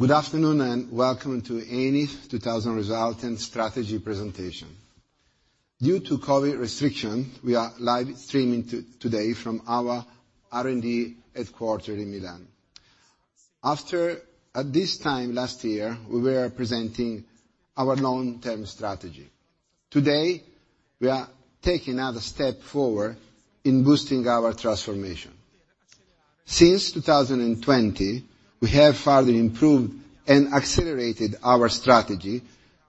Good afternoon, and welcome to Eni's 2020 Result and Strategy Presentation. Due to COVID restriction, we are live streaming today from our R&D headquarter in Milan. At this time last year, we were presenting our long-term strategy. Today, we are taking another step forward in boosting our transformation. Since 2020, we have further improved and accelerated our strategy,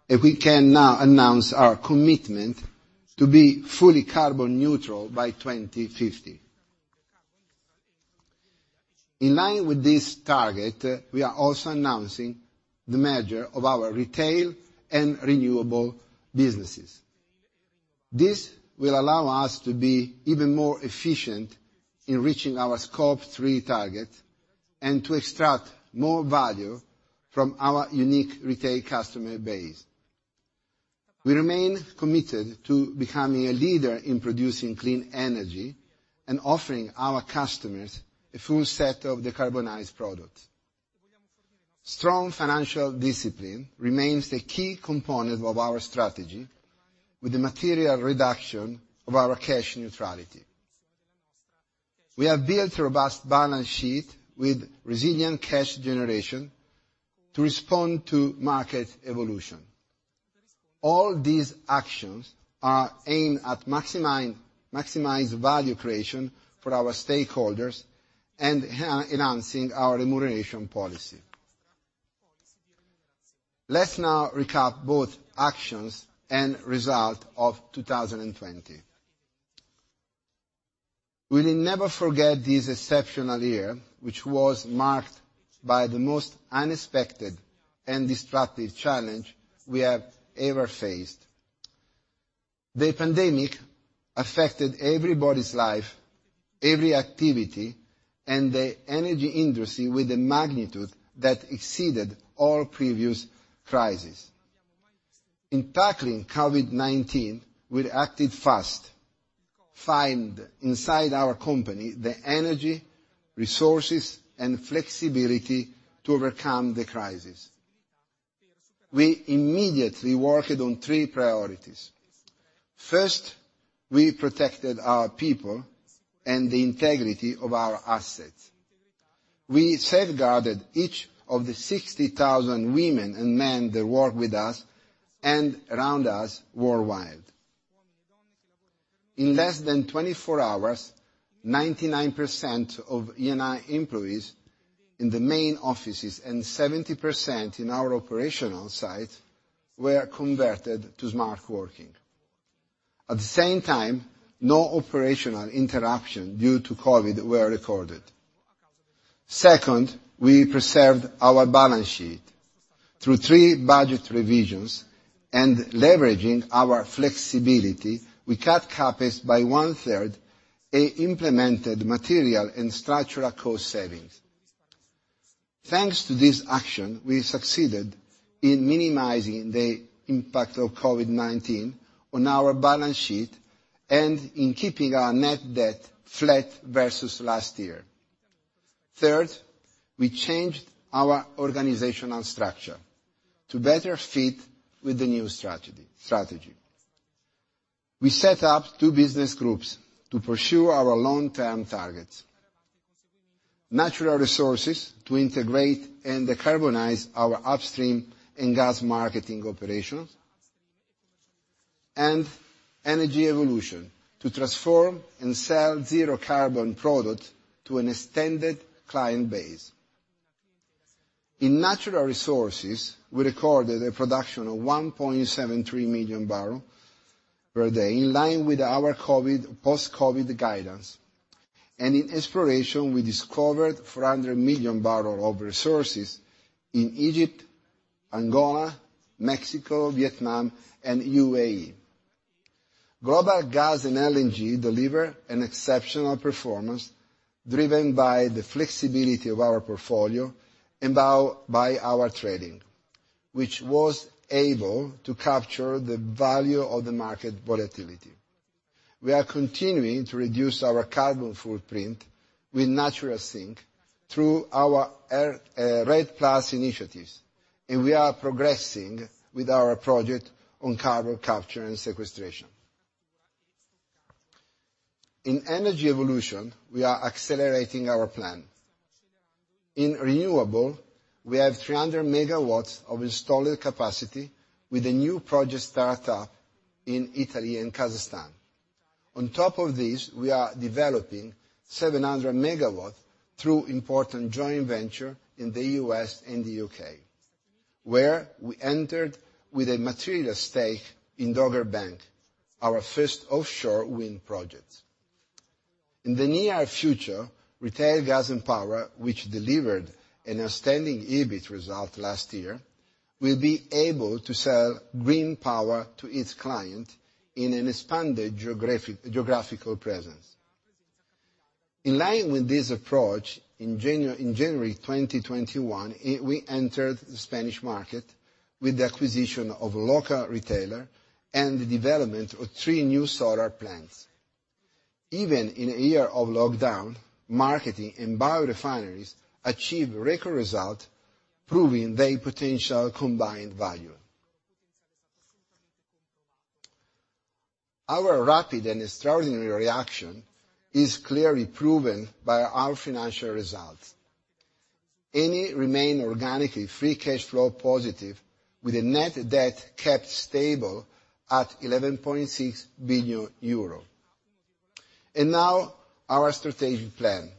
and we can now announce our commitment to be fully carbon neutral by 2050. In line with this target, we are also announcing the merger of our retail and renewable businesses. This will allow us to be even more efficient in reaching our Scope 3 target and to extract more value from our unique retail customer base. We remain committed to becoming a leader in producing clean energy and offering our customers a full set of decarbonized products. Strong financial discipline remains the key component of our strategy with the material reduction of our cash neutrality. We have built a robust balance sheet with resilient cash generation to respond to market evolution. All these actions are aimed at maximize value creation for our stakeholders and enhancing our remuneration policy. Let's now recap both actions and result of 2020. We will never forget this exceptional year, which was marked by the most unexpected and destructive challenge we have ever faced. The pandemic affected everybody's life, every activity, and the energy industry with a magnitude that exceeded all previous crises. In tackling COVID-19, we acted fast. Found inside our company, the energy, resources, and flexibility to overcome the crisis. We immediately worked on three priorities. First, we protected our people and the integrity of our assets. We safeguarded each of the 60,000 women and men that work with us and around us worldwide. In less than 24 hours, 99% of Eni employees in the main offices and 70% in our operational sites were converted to smart working. At the same time, no operational interruption due to COVID-19 were recorded. Second, we preserved our balance sheet. Through three budget revisions and leveraging our flexibility, we cut CapEx by 1/3 and implemented material and structural cost savings. Thanks to this action, we succeeded in minimizing the impact of COVID-19 on our balance sheet and in keeping our net debt flat versus last year. Third, we changed our organizational structure to better fit with the new strategy. We set up two business groups to pursue our long-term targets. Natural Resources to integrate and decarbonize our upstream and gas marketing operations. Energy Evolution to transform and sell zero carbon product to an extended client base. In Natural Resources, we recorded a production of 1.73 million barrels per day in line with our post-COVID-19 guidance. In exploration, we discovered 400 million barrels of resources in Egypt, Angola, Mexico, Vietnam, and UAE. Global gas and LNG deliver an exceptional performance driven by the flexibility of our portfolio and by our trading, which was able to capture the value of the market volatility. We are continuing to reduce our carbon footprint with natural sink through our REDD+ initiatives, and we are progressing with our project on carbon capture and sequestration. In Energy Evolution, we are accelerating our plan. In renewable, we have 300 MW of installed capacity with a new project start-up in Italy and Kazakhstan. On top of this, we are developing 700 MW through important joint venture in the U.S. and the U.K., where we entered with a material stake in Dogger Bank, our first offshore wind project. In the near future, retail gas and power, which delivered an outstanding EBIT result last year, will be able to sell green power to its client in an expanded geographical presence. In line with this approach, in January 2021, we entered the Spanish market with the acquisition of a local retailer and the development of three new solar plants. Even in a year of lockdown, marketing and biorefineries achieved record result, proving their potential combined value. Our rapid and extraordinary reaction is clearly proven by our financial results. Eni remain organically free cash flow positive with a net debt kept stable at 11.6 billion euro. Now our strategic plan.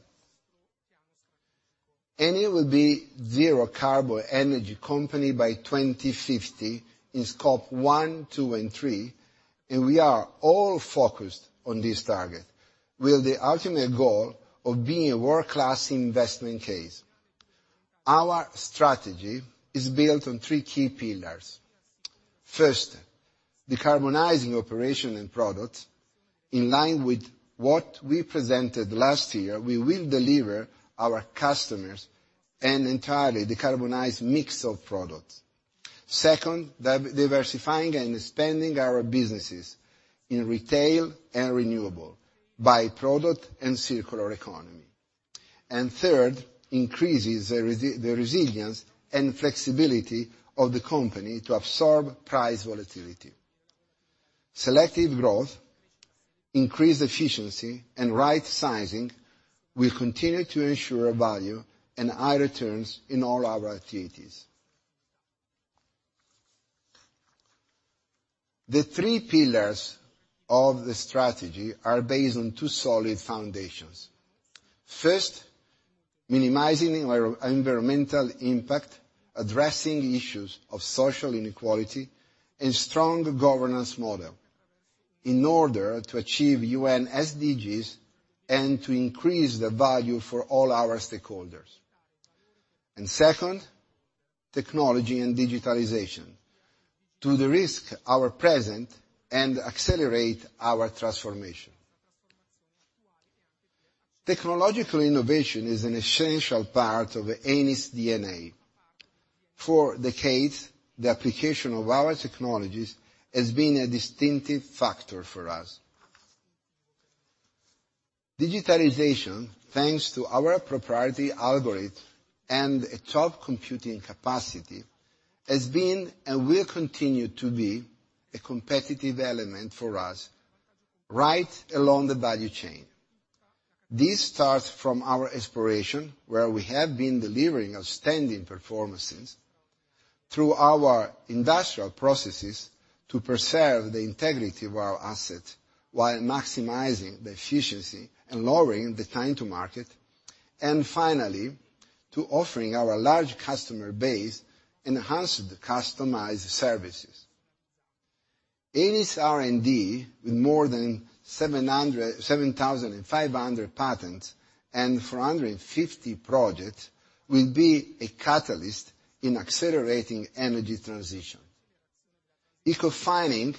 Eni will be zero carbon energy company by 2050 in Scope 1, 2, and 3, and we are all focused on this target with the ultimate goal of being a world-class investment case. Our strategy is built on three key pillars. First, decarbonizing operation and product. In line with what we presented last year, we will deliver our customers an entirely decarbonized mix of products. Second, diversifying and expanding our businesses in retail and renewable by product and circular economy. Third, increases the resilience and flexibility of the company to absorb price volatility. Selective growth, increased efficiency, and right sizing will continue to ensure value and high returns in all our activities. The three pillars of the strategy are based on two solid foundations. First, minimizing environmental impact, addressing issues of social inequality, and strong governance model in order to achieve UN SDGs and to increase the value for all our stakeholders. Second, technology and digitalization to derisk our present and accelerate our transformation. Technological innovation is an essential part of Eni's DNA. For decades, the application of our technologies has been a distinctive factor for us. Digitalization, thanks to our proprietary algorithm and a top computing capacity, has been, and will continue to be, a competitive element for us right along the value chain. This starts from our exploration, where we have been delivering outstanding performances through our industrial processes to preserve the integrity of our assets while maximizing the efficiency and lowering the time to market, and finally, to offering our large customer base enhanced customized services. Eni's R&D, with more than 7,500 patents and 450 projects, will be a catalyst in accelerating energy transition. Ecofining,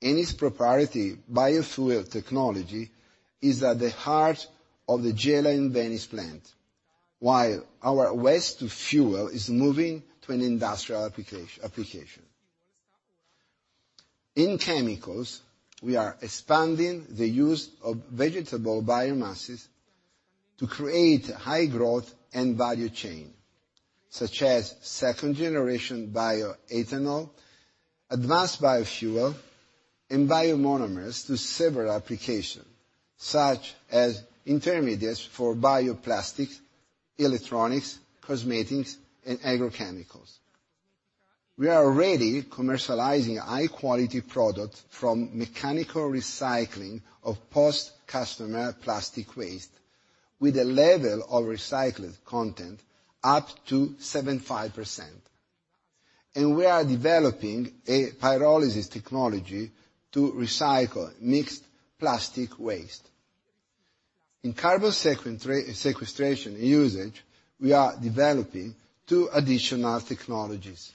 Eni's proprietary biofuel technology, is at the heart of the Gela Venice plant, while our waste-to-fuel is moving to an industrial application. In chemicals, we are expanding the use of vegetable biomasses to create high growth and value chain, such as second generation bioethanol, advanced biofuel, and biomonomers through several application, such as intermediates for bioplastics, electronics, cosmetics, and agrochemicals. We are already commercializing high-quality products from mechanical recycling of post-customer plastic waste with a level of recycled content up to 75%. We are developing a pyrolysis technology to recycle mixed plastic waste. In carbon sequestration usage, we are developing two additional technologies.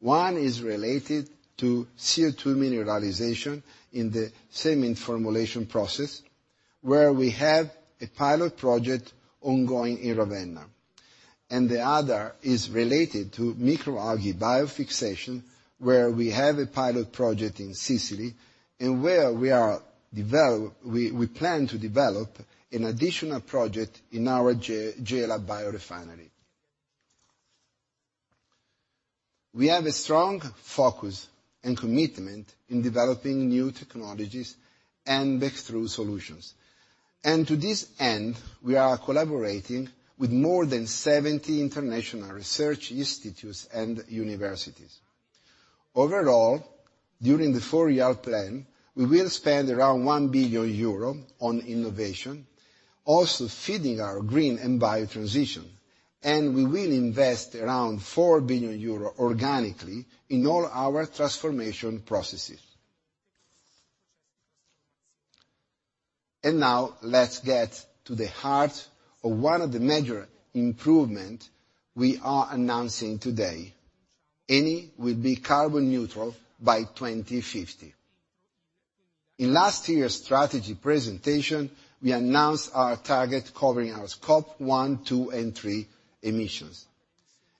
One is related to CO2 mineralization in the cement formulation process, where we have a pilot project ongoing in Ravenna. The other is related to microalgae biofixation, where we have a pilot project in Sicily, and where we plan to develop an additional project in our Gela biorefinery. We have a strong focus and commitment in developing new technologies and breakthrough solutions. To this end, we are collaborating with more than 70 international research institutes and universities. Overall, during the four-year plan, we will spend around 1 billion euro on innovation, also feeding our green and bio transition, and we will invest around 4 billion euro organically in all our transformation processes. Now let's get to the heart of one of the major improvement we are announcing today. Eni will be carbon neutral by 2050. In last year's strategy presentation, we announced our target covering our Scope 1, 2, and 3 emissions.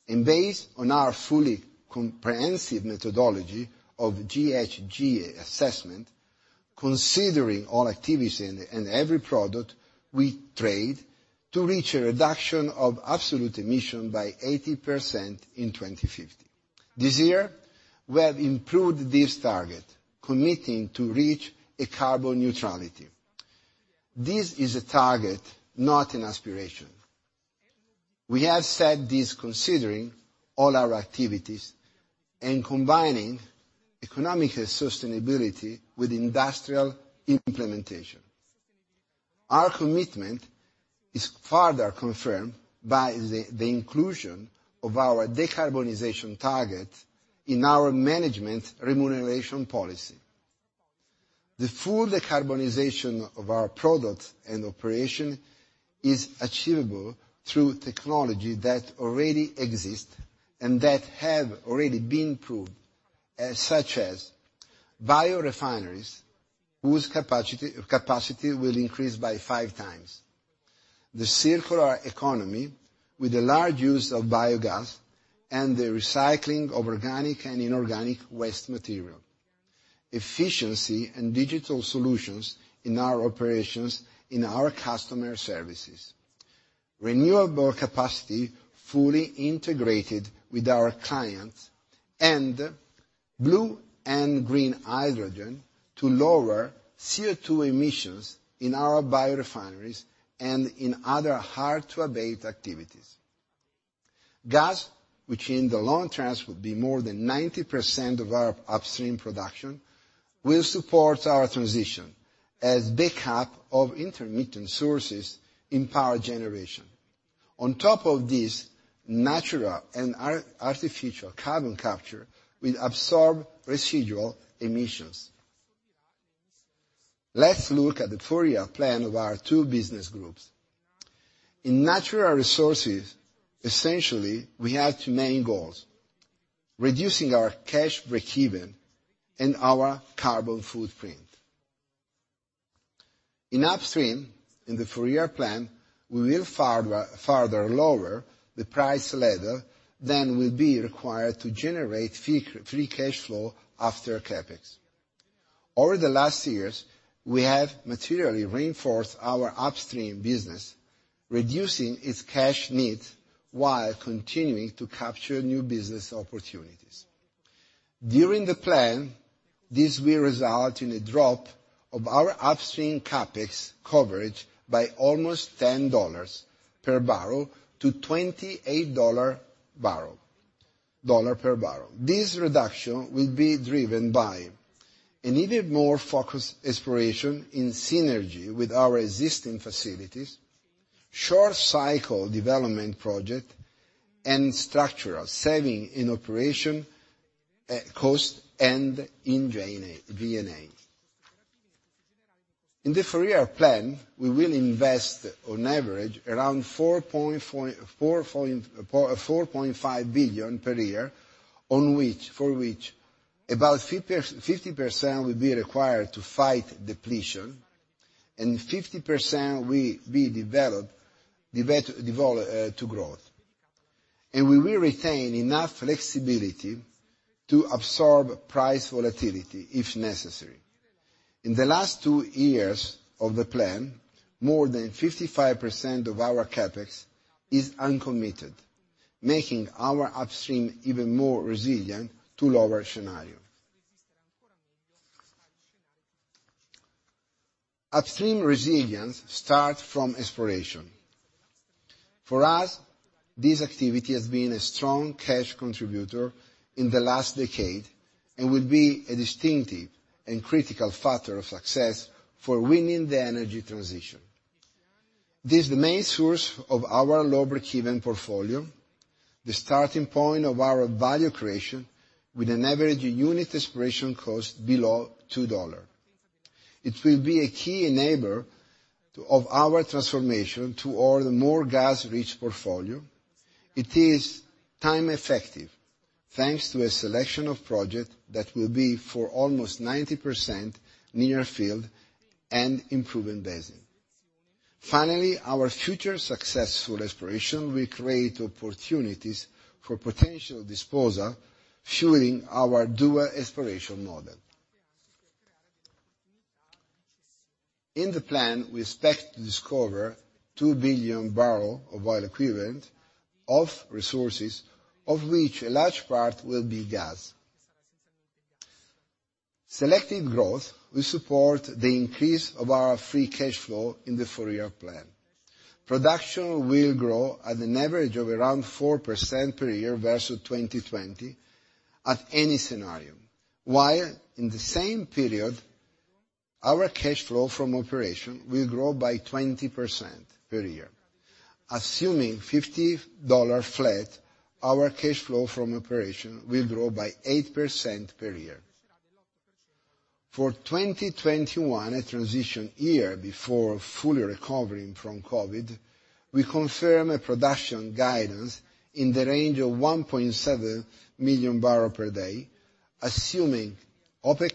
Based on our fully comprehensive methodology of GHG assessment, considering all activities and every product we trade to reach a reduction of absolute emission by 80% in 2050. This year, we have improved this target, committing to reach a carbon neutrality. This is a target, not an aspiration. We have set this considering all our activities and combining economic sustainability with industrial implementation. Our commitment is further confirmed by the inclusion of our decarbonization target in our management remuneration policy. The full decarbonization of our product and operation is achievable through technology that already exists, and that have already been proved, such as biorefineries, whose capacity will increase by 5x, and the circular economy with a large use of biogas and the recycling of organic and inorganic waste material. Efficiency and digital solutions in our operations in our customer services. Renewable capacity, fully integrated with our clients and blue and green hydrogen to lower CO2 emissions in our biorefineries and in other hard-to-abate activities. Gas, which in the long term will be more than 90% of our upstream production, will support our transition as backup of intermittent sources in power generation. On top of this, natural and artificial carbon capture will absorb residual emissions. Let's look at the four-year plan of our two business groups. In natural resources, essentially, we have two main goals: reducing our cash breakeven and our carbon footprint. In Upstream, in the four-year plan, we will further lower the price level that will be required to generate free cash flow after CapEx. Over the last years, we have materially reinforced our Upstream business, reducing its cash needs while continuing to capture new business opportunities. During the plan, this will result in a drop of our Upstream CapEx coverage by almost $10 per barrel to $28 per barrel. This reduction will be driven by an even more focused exploration in synergy with our existing facilities, short cycle development project, and structural saving in operation cost and in G&A. In the four-year plan, we will invest on average around $4.5 billion per year for which about 50% will be required to fight depletion and 50% will be developed to growth. We will retain enough flexibility to absorb price volatility if necessary. In the last two years of the plan, more than 55% of our CapEx is uncommitted, making our Upstream even more resilient to lower scenario. Upstream resilience starts from exploration. For us, this activity has been a strong cash contributor in the last decade and will be a distinctive and critical factor of success for winning the energy transition. This is the main source of our low breakeven portfolio, the starting point of our value creation with an average unit exploration cost below $2. It will be a key enabler of our transformation to all the more gas-rich portfolio. It is time effective, thanks to a selection of project that will be for almost 90% near field and improving basin. Finally, our future successful exploration will create opportunities for potential disposal, fueling our dual exploration model. In the plan, we expect to discover 2 billion barrel of oil equivalent of resources, of which a large part will be gas. Selected growth will support the increase of our free cash flow in the four-year plan. Production will grow at an average of around 4% per year versus 2020 at any scenario. In the same period, our cash flow from operation will grow by 20% per year. Assuming $50 flat, our cash flow from operation will grow by 8% per year. For 2021, a transition year before fully recovering from COVID-19, we confirm a production guidance in the range of 1.7 million barrel per day, assuming OPEC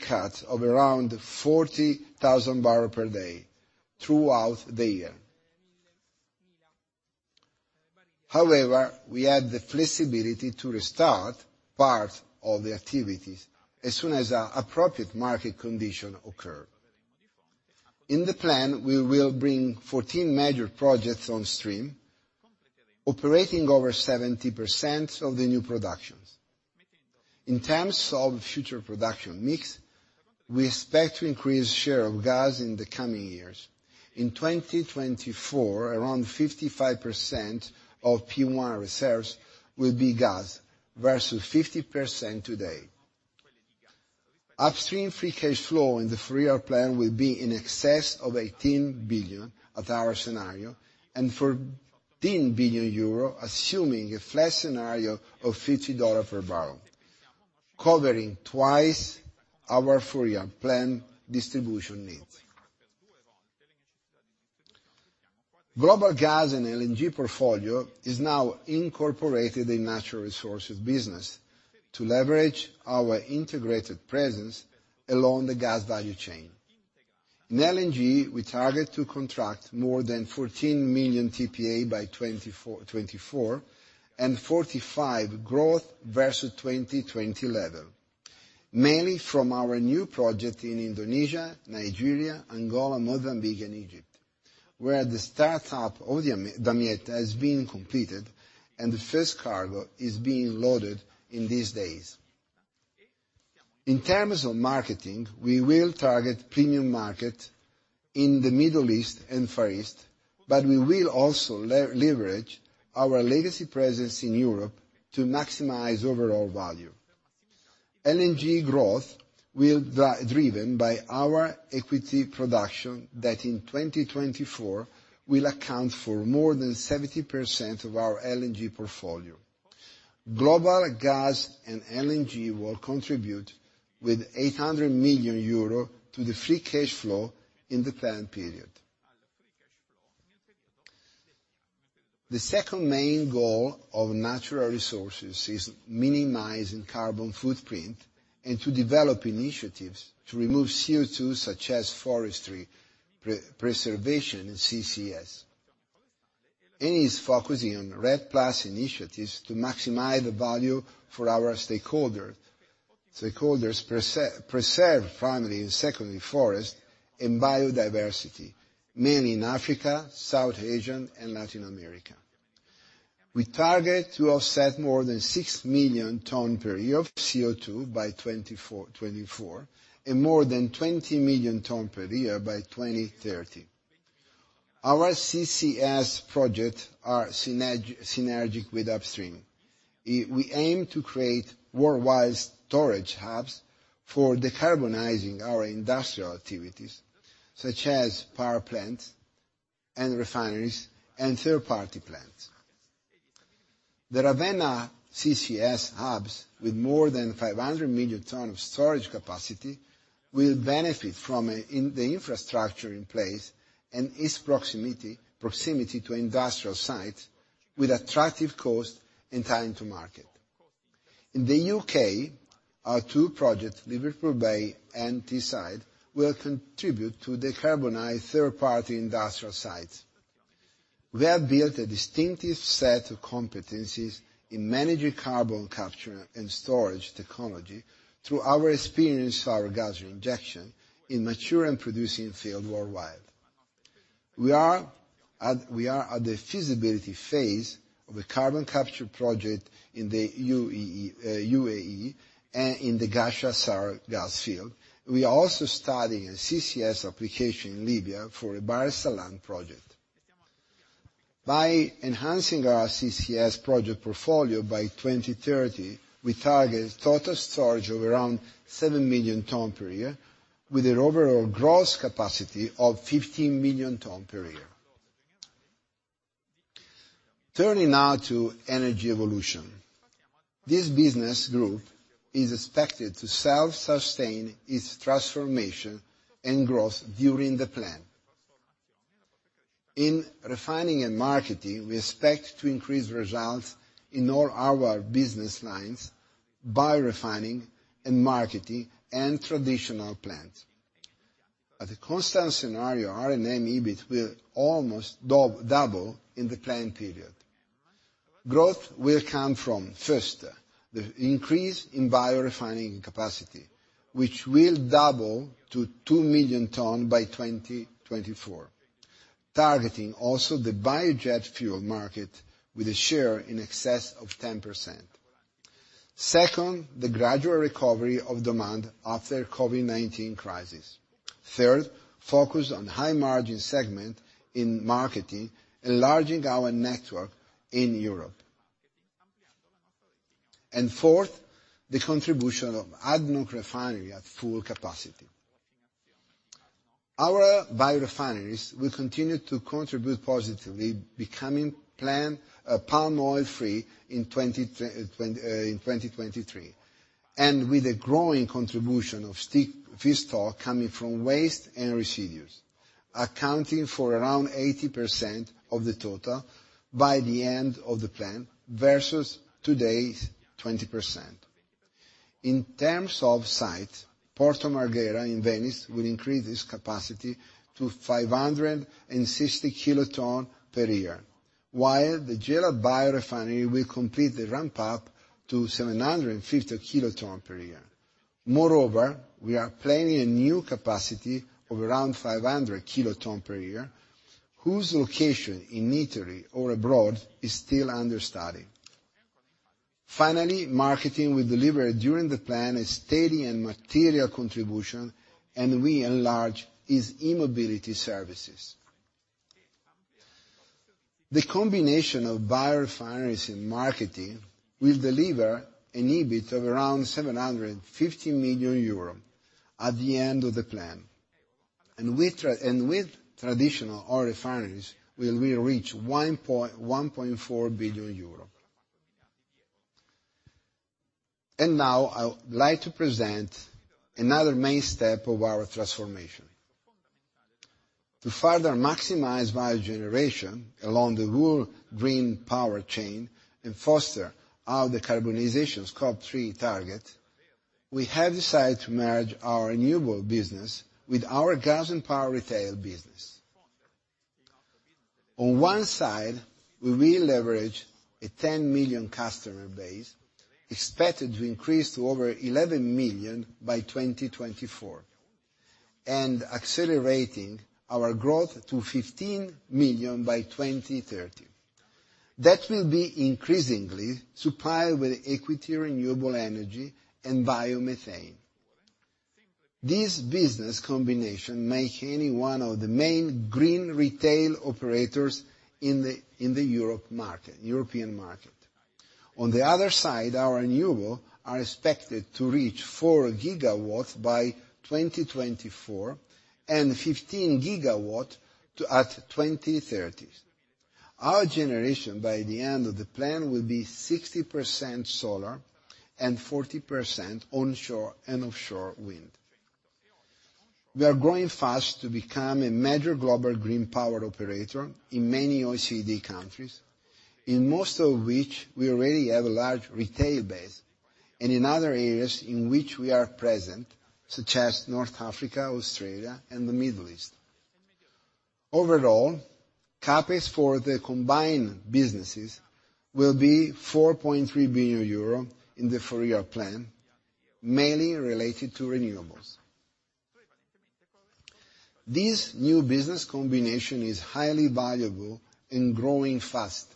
cut of around 40,000 barrel per day throughout the year. We had the flexibility to restart part of the activities as soon as appropriate market condition occur. In the plan, we will bring 14 major projects on stream, operating over 70% of the new productions. In terms of future production mix, we expect to increase share of gas in the coming years. In 2024, around 55% of P1 reserves will be gas, versus 50% today. Upstream free cash flow in the three-year plan will be in excess of $18 billion at our scenario, for 10 billion euro assuming a flat scenario of $50 per barrel, covering twice our full-year plan distribution needs. Global gas and LNG portfolio is now incorporated in natural resources business to leverage our integrated presence along the gas value chain. In LNG, we target to contract more than 14 million TPA by 2024 and 45% growth versus 2020 level. Mainly from our new project in Indonesia, Nigeria, Angola, Mozambique, and Egypt, where the startup of Damietta has been completed and the first cargo is being loaded in these days. In terms of marketing, we will target premium market in the Middle East and Far East, we will also leverage our legacy presence in Europe to maximize overall value. LNG growth will be driven by our equity production, that in 2024 will account for more than 70% of our LNG portfolio. Global gas and LNG will contribute with 800 million euro to the free cash flow in the plan period. The second main goal of natural resources is minimizing carbon footprint and to develop initiatives to remove CO2, such as forestry preservation and CCS. Eni is focusing on REDD+ initiatives to maximize the value for our stakeholders. Stakeholders preserve primary and secondary forest and biodiversity, mainly in Africa, South Asia, and Latin America. We target to offset more than six million ton per year of CO2 by 2024, and more than 20 million ton per year by 2030. Our CCS project are synergic with upstream. We aim to create worldwide storage hubs for decarbonizing our industrial activities, such as power plants and refineries and third-party plants. The Ravenna CCS hubs with more than 500 million tons of storage capacity will benefit from the infrastructure in place and its proximity to industrial sites with attractive cost and time to market. In the U.K., our two projects, Liverpool Bay and Teesside, will contribute to decarbonize third-party industrial sites. We have built a distinctive set of competencies in managing carbon capture and storage technology through our experience in sour gas injection in mature and producing fields worldwide. We are at the feasibility phase of a carbon capture project in the U.A.E. and in the Ghasha sour gas field. We are also studying a CCS application in Libya for the Bahr Essalam project. By enhancing our CCS project portfolio by 2030, we target total storage of around 7 million tons per year, with an overall gross capacity of 15 million tons per year. Turning now to energy evolution. This business group is expected to self-sustain its transformation and growth during the plan. In refining and marketing, we expect to increase results in all our business lines by refining and marketing and traditional plans. At a constant scenario, R&M EBIT will almost double in the plan period. Growth will come from, first, the increase in biorefining capacity, which will double to 2 million tons by 2024, targeting also the biojet fuel market with a share in excess of 10%. Second, the gradual recovery of demand after COVID-19 crisis. Third, focus on high margin segment in marketing, enlarging our network in Europe. Fourth, the contribution of ADNOC refinery at full capacity. Our biorefineries will continue to contribute positively, becoming palm oil-free in 2023, and with a growing contribution of feedstock coming from waste and residues, accounting for around 80% of the total by the end of the plan versus today's 20%. In terms of site, Porto Marghera in Venice will increase its capacity to 560 kiloton per year, while the Gela biorefinery will complete the ramp-up to 750 kiloton per year. Moreover, we are planning a new capacity of around 500 kiloton per year, whose location in Italy or abroad is still under study. Finally, marketing will deliver during the plan a steady and material contribution, and we enlarge its e-mobility services. The combination of biorefineries and marketing will deliver an EBIT of around 750 million euro at the end of the plan, and with traditional oil refineries will we reach 1.4 billion euros. Now I would like to present another main step of our transformation. To further maximize value generation along the whole green power chain and foster our decarbonization Scope 3 target, we have decided to merge our renewable business with our gas and power retail business. On one side, we will leverage a 10 million customer base, expected to increase to over 11 million by 2024, and accelerating our growth to 15 million by 2030. That will be increasingly supplied with equity renewable energy and biomethane. This business combination make Eni one of the main green retail operators in the European market. On the other side, our renewable are expected to reach 4 GW by 2024, and 15 GW at 2030. Our generation by the end of the plan will be 60% solar and 40% onshore and offshore wind. We are growing fast to become a major global green power operator in many OECD countries, in most of which we already have a large retail base, and in other areas in which we are present, such as North Africa, Australia, and the Middle East. Overall, CapEx for the combined businesses will be 4.3 billion euro in the three-year plan, mainly related to renewables. This new business combination is highly valuable and growing fast.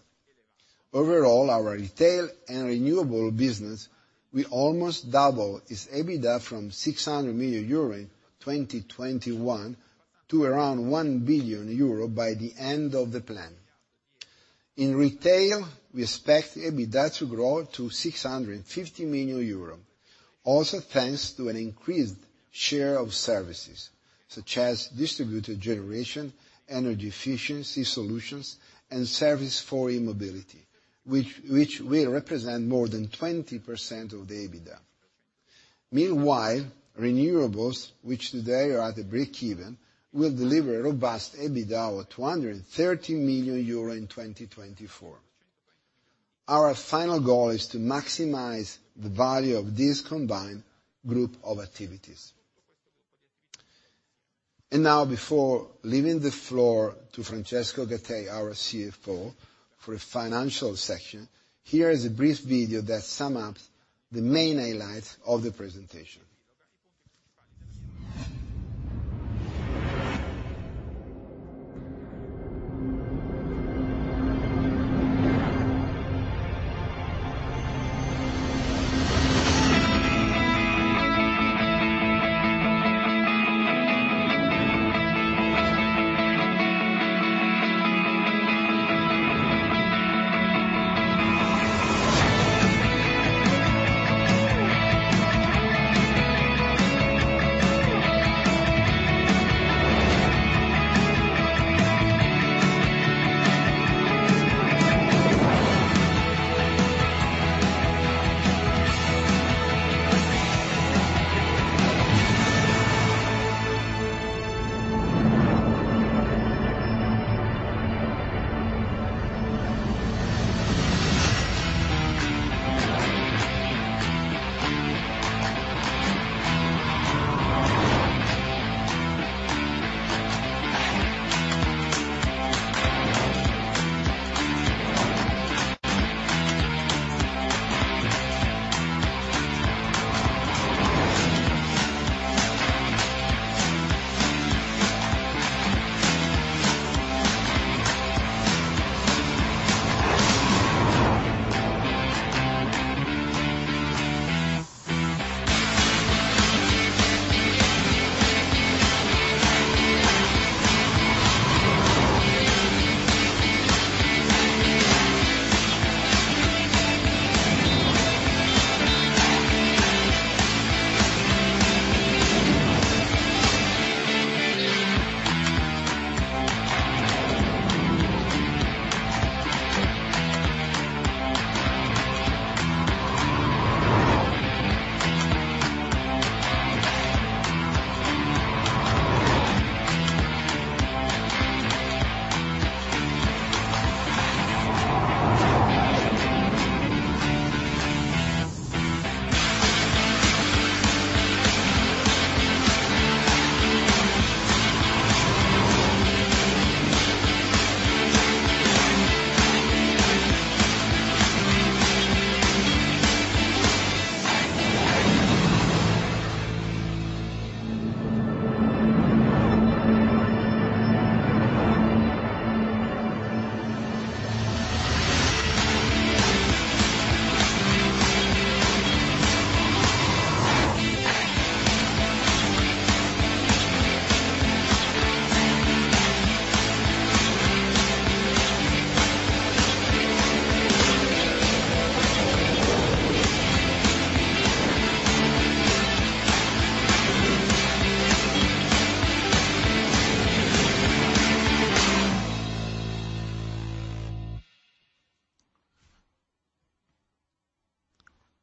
Overall, our retail and renewable business will almost double its EBITDA from 600 million euro in 2021 to around 1 billion euro by the end of the plan. In retail, we expect EBITDA to grow to 650 million euros, also thanks to an increased share of services such as distributed generation, energy efficiency solutions, and service for e-mobility, which will represent more than 20% of the EBITDA. Meanwhile, renewables, which today are at a breakeven, will deliver a robust EBITDA of 230 million euro in 2024. Our final goal is to maximize the value of this combined group of activities. Now before leaving the floor to Francesco Gattei, our CFO, for a financial section, here is a brief video that sum up the main highlights of the presentation.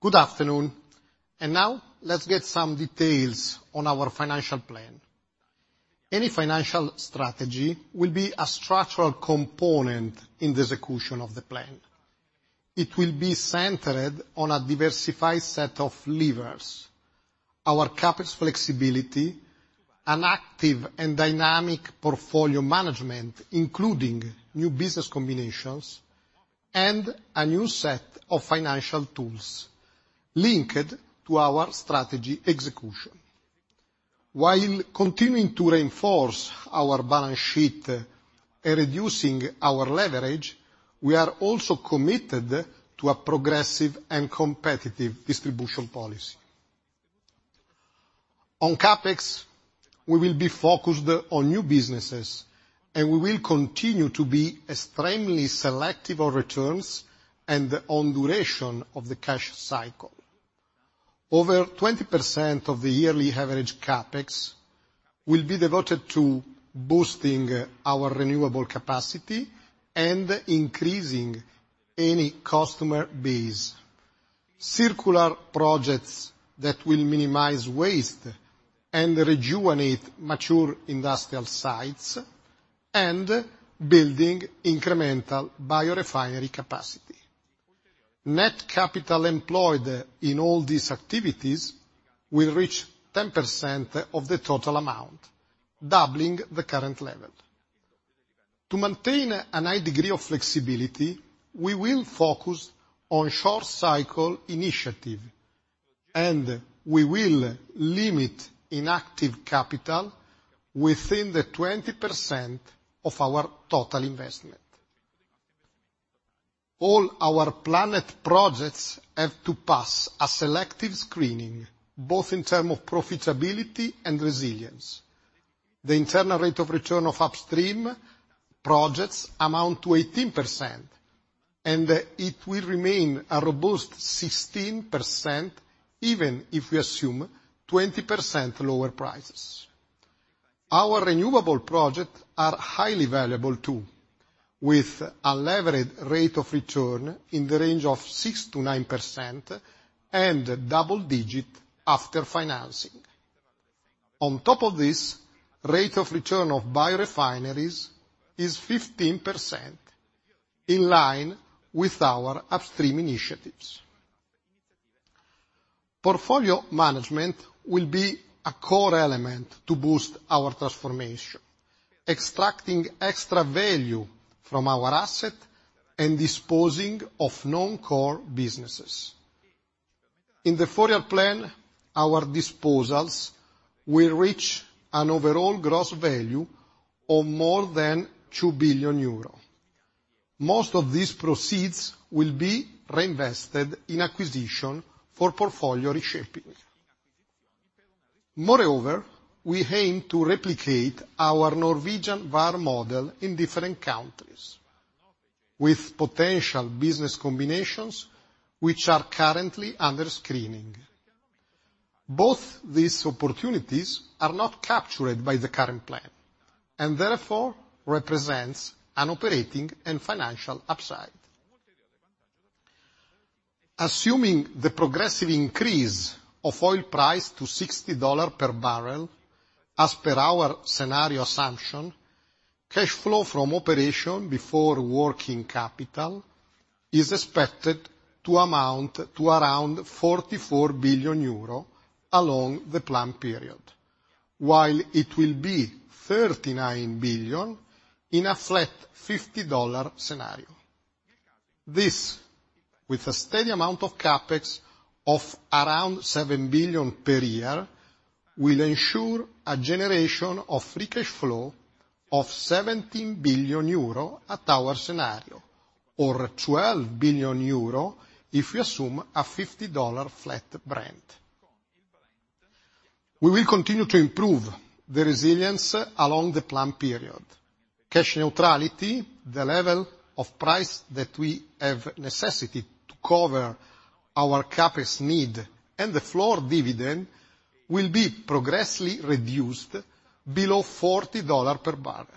Good afternoon. Now let's get some details on our financial plan. Eni financial strategy will be a structural component in the execution of the plan. It will be centered on a diversified set of levers. Our CapEx flexibility, an active and dynamic portfolio management, including new business combinations, and a new set of financial tools linked to our strategy execution. While continuing to reinforce our balance sheet and reducing our leverage, we are also committed to a progressive and competitive distribution policy. On CapEx, we will be focused on new businesses, and we will continue to be extremely selective on returns and on duration of the cash cycle. Over 20% of the yearly average CapEx will be devoted to boosting our renewable capacity and increasing Eni customer base. Circular projects that will minimize waste and rejuvenate mature industrial sites and building incremental biorefinery capacity. Net capital employed in all these activities will reach 10% of the total amount, doubling the current level. To maintain a high degree of flexibility, we will focus on short cycle initiative, and we will limit inactive capital within the 20% of our total investment. All our planned projects have to pass a selective screening, both in term of profitability and resilience. The internal rate of return of upstream projects amount to 18%, and it will remain a robust 16% even if we assume 20% lower prices. Our renewable project are highly valuable too, with a leverage rate of return in the range of 6%-9% and double digit after financing. On top of this, rate of return of biorefineries is 15%, in line with our upstream initiatives. Portfolio management will be a core element to boost our transformation, extracting extra value from our asset and disposing of non-core businesses. In the four-year plan, our disposals will reach an overall gross value of more than 2 billion euro. Most of these proceeds will be reinvested in acquisition for portfolio reshaping. We aim to replicate our Norwegian Vår model in different countries with potential business combinations, which are currently under screening. Both these opportunities are not captured by the current plan, and therefore, represents an operating and financial upside. Assuming the progressive increase of oil price to $60 per barrel as per our scenario assumption, cash flow from operation before working capital is expected to amount to around 44 billion euro along the plan period, while it will be 39 billion in a flat $50 scenario. This, with a steady amount of CapEx of around 7 billion per year, will ensure a generation of free cash flow of 17 billion euro at our scenario, or 12 billion euro if we assume a $50 flat Brent. We will continue to improve the resilience along the plan period. Cash neutrality, the level of price that we have necessity to cover our CapEx need and the floor dividend will be progressively reduced below $40 per barrel.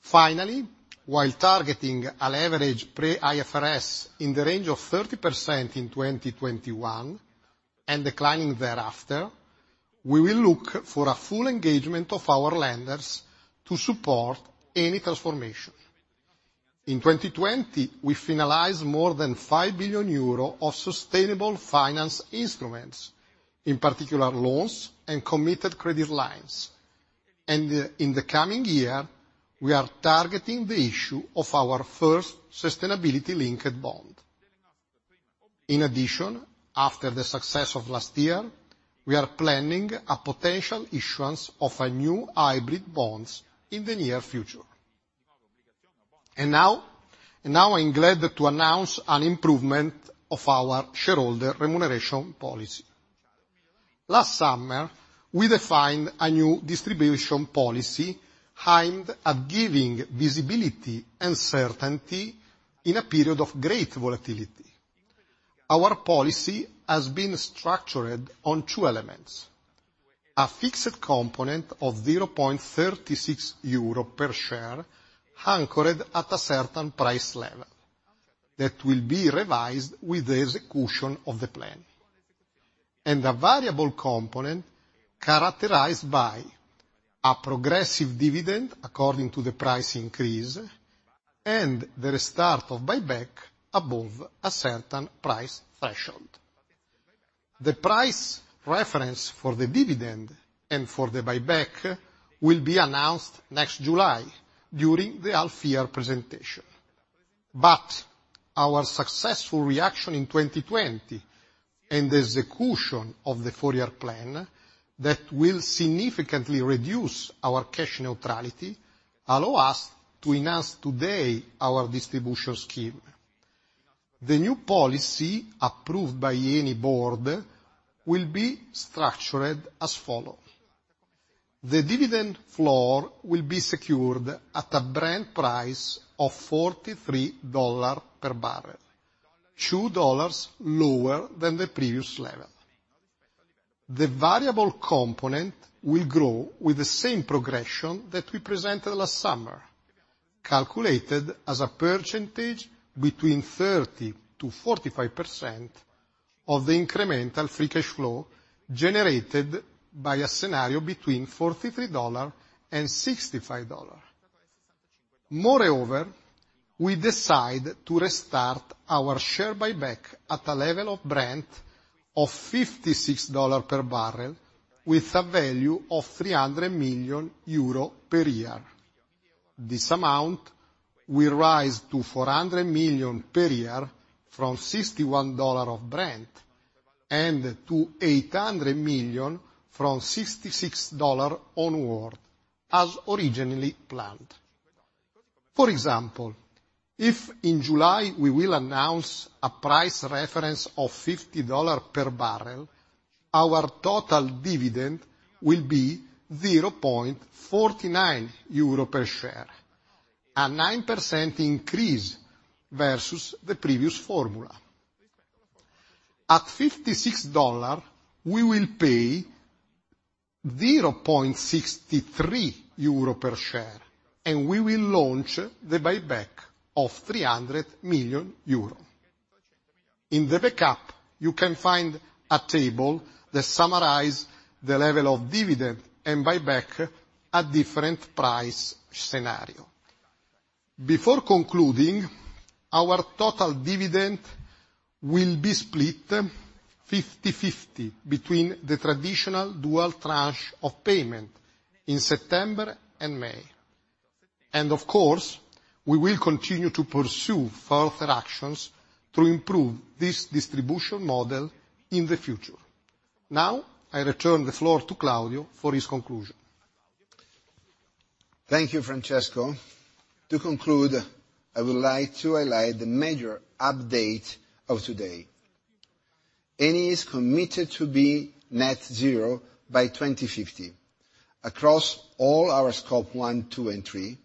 Finally, while targeting a leverage pre-IFRS in the range of 30% in 2021 and declining thereafter. We will look for a full engagement of our lenders to support any transformation. In 2020, we finalized more than 5 billion euro of sustainable finance instruments, in particular loans and committed credit lines. In the coming year, we are targeting the issue of our first sustainability-linked bond. In addition, after the success of last year, we are planning a potential issuance of new hybrid bonds in the near future. Now, I'm glad to announce an improvement of our shareholder remuneration policy. Last summer, we defined a new distribution policy aimed at giving visibility and certainty in a period of great volatility. Our policy has been structured on two elements, a fixed component of 0.36 euro per share, anchored at a certain price level that will be revised with the execution of the plan, and a variable component characterized by a progressive dividend according to the price increase and the restart of buyback above a certain price threshold. The price reference for the dividend and for the buyback will be announced next July during the half-year presentation. Our successful reaction in 2020 and the execution of the four-year plan that will significantly reduce our cash neutrality allow us to enhance today our distribution scheme. The new policy, approved by Eni Board, will be structured as follows. The dividend floor will be secured at a Brent price of $43 per barrel, $2 lower than the previous level. The variable component will grow with the same progression that we presented last summer, calculated as a percentage between 30%-45% of the incremental free cash flow generated by a scenario between $43 and $65. We decide to restart our share buyback at a level of Brent of $56 per barrel with a value of 300 million euro per year. This amount will rise to 400 million per year from $61 of Brent and to 800 million from $66 onward as originally planned. For example, if in July we will announce a price reference of $50 per barrel, our total dividend will be 0.49 euro per share, a 9% increase versus the previous formula. At $56, we will pay 0.63 euro per share. We will launch the buyback of 300 million euro. In the backup, you can find a table that summarizes the level of dividend and buyback at different price scenarios. Before concluding, our total dividend will be split 50/50 between the traditional dual tranche of payment in September and May. Of course, we will continue to pursue further actions to improve this distribution model in the future. Now, I return the floor to Claudio for his conclusion. Thank you, Francesco. To conclude, I would like to highlight the major update of today. Eni is committed to be net zero by 2050 across all our Scope 1, 2, and 3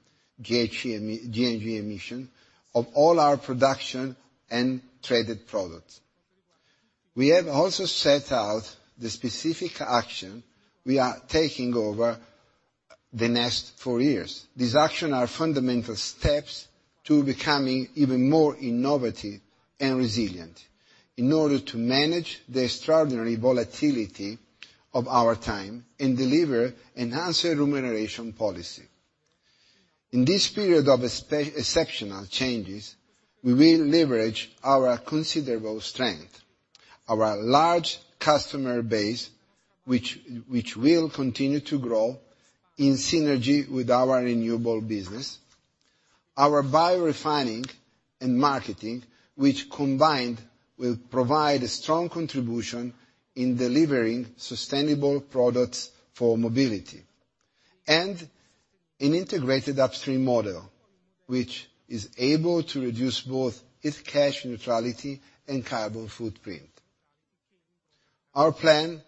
GHG emission of all our production and traded products. We have also set out the specific action we are taking over the next four years. These action are fundamental steps to becoming even more innovative and resilient in order to manage the extraordinary volatility of our time and deliver enhanced remuneration policy. In this period of exceptional changes, we will leverage our considerable strength, our large customer base, which will continue to grow in synergy with our renewable business. Our biorefining and marketing, which combined will provide a strong contribution in delivering sustainable products for mobility, and an integrated upstream model, which is able to reduce both its cash neutrality and carbon footprint. Our plan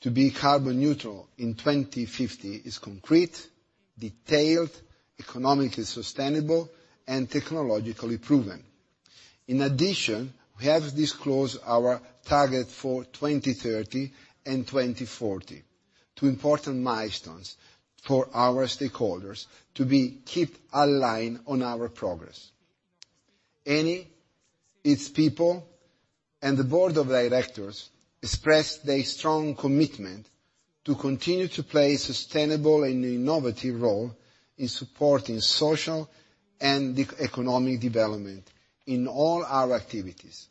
to be carbon neutral in 2050 is concrete, detailed, economically sustainable, and technologically proven. We have disclosed our target for 2030 and 2040, two important milestones for our stakeholders to be kept aligned on our progress. Eni, its people, and the Board of Directors express their strong commitment to continue to play a sustainable and innovative role in supporting social and economic development in all our activities.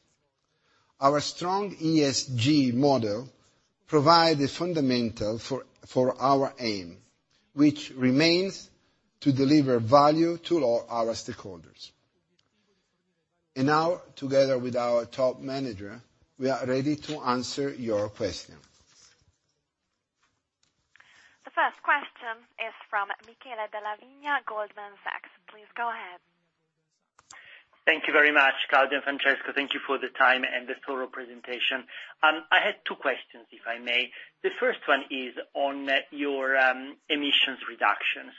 Our strong ESG model provide the fundamental for our aim, which remains to deliver value to all our stakeholders. Now, together with our top manager, we are ready to answer your questions. The first question is from Michele Della Vigna, Goldman Sachs. Please go ahead. Thank you very much, Claudio and Francesco. Thank you for the time and the thorough presentation. I had two questions, if I may. The first one is on your emissions reduction.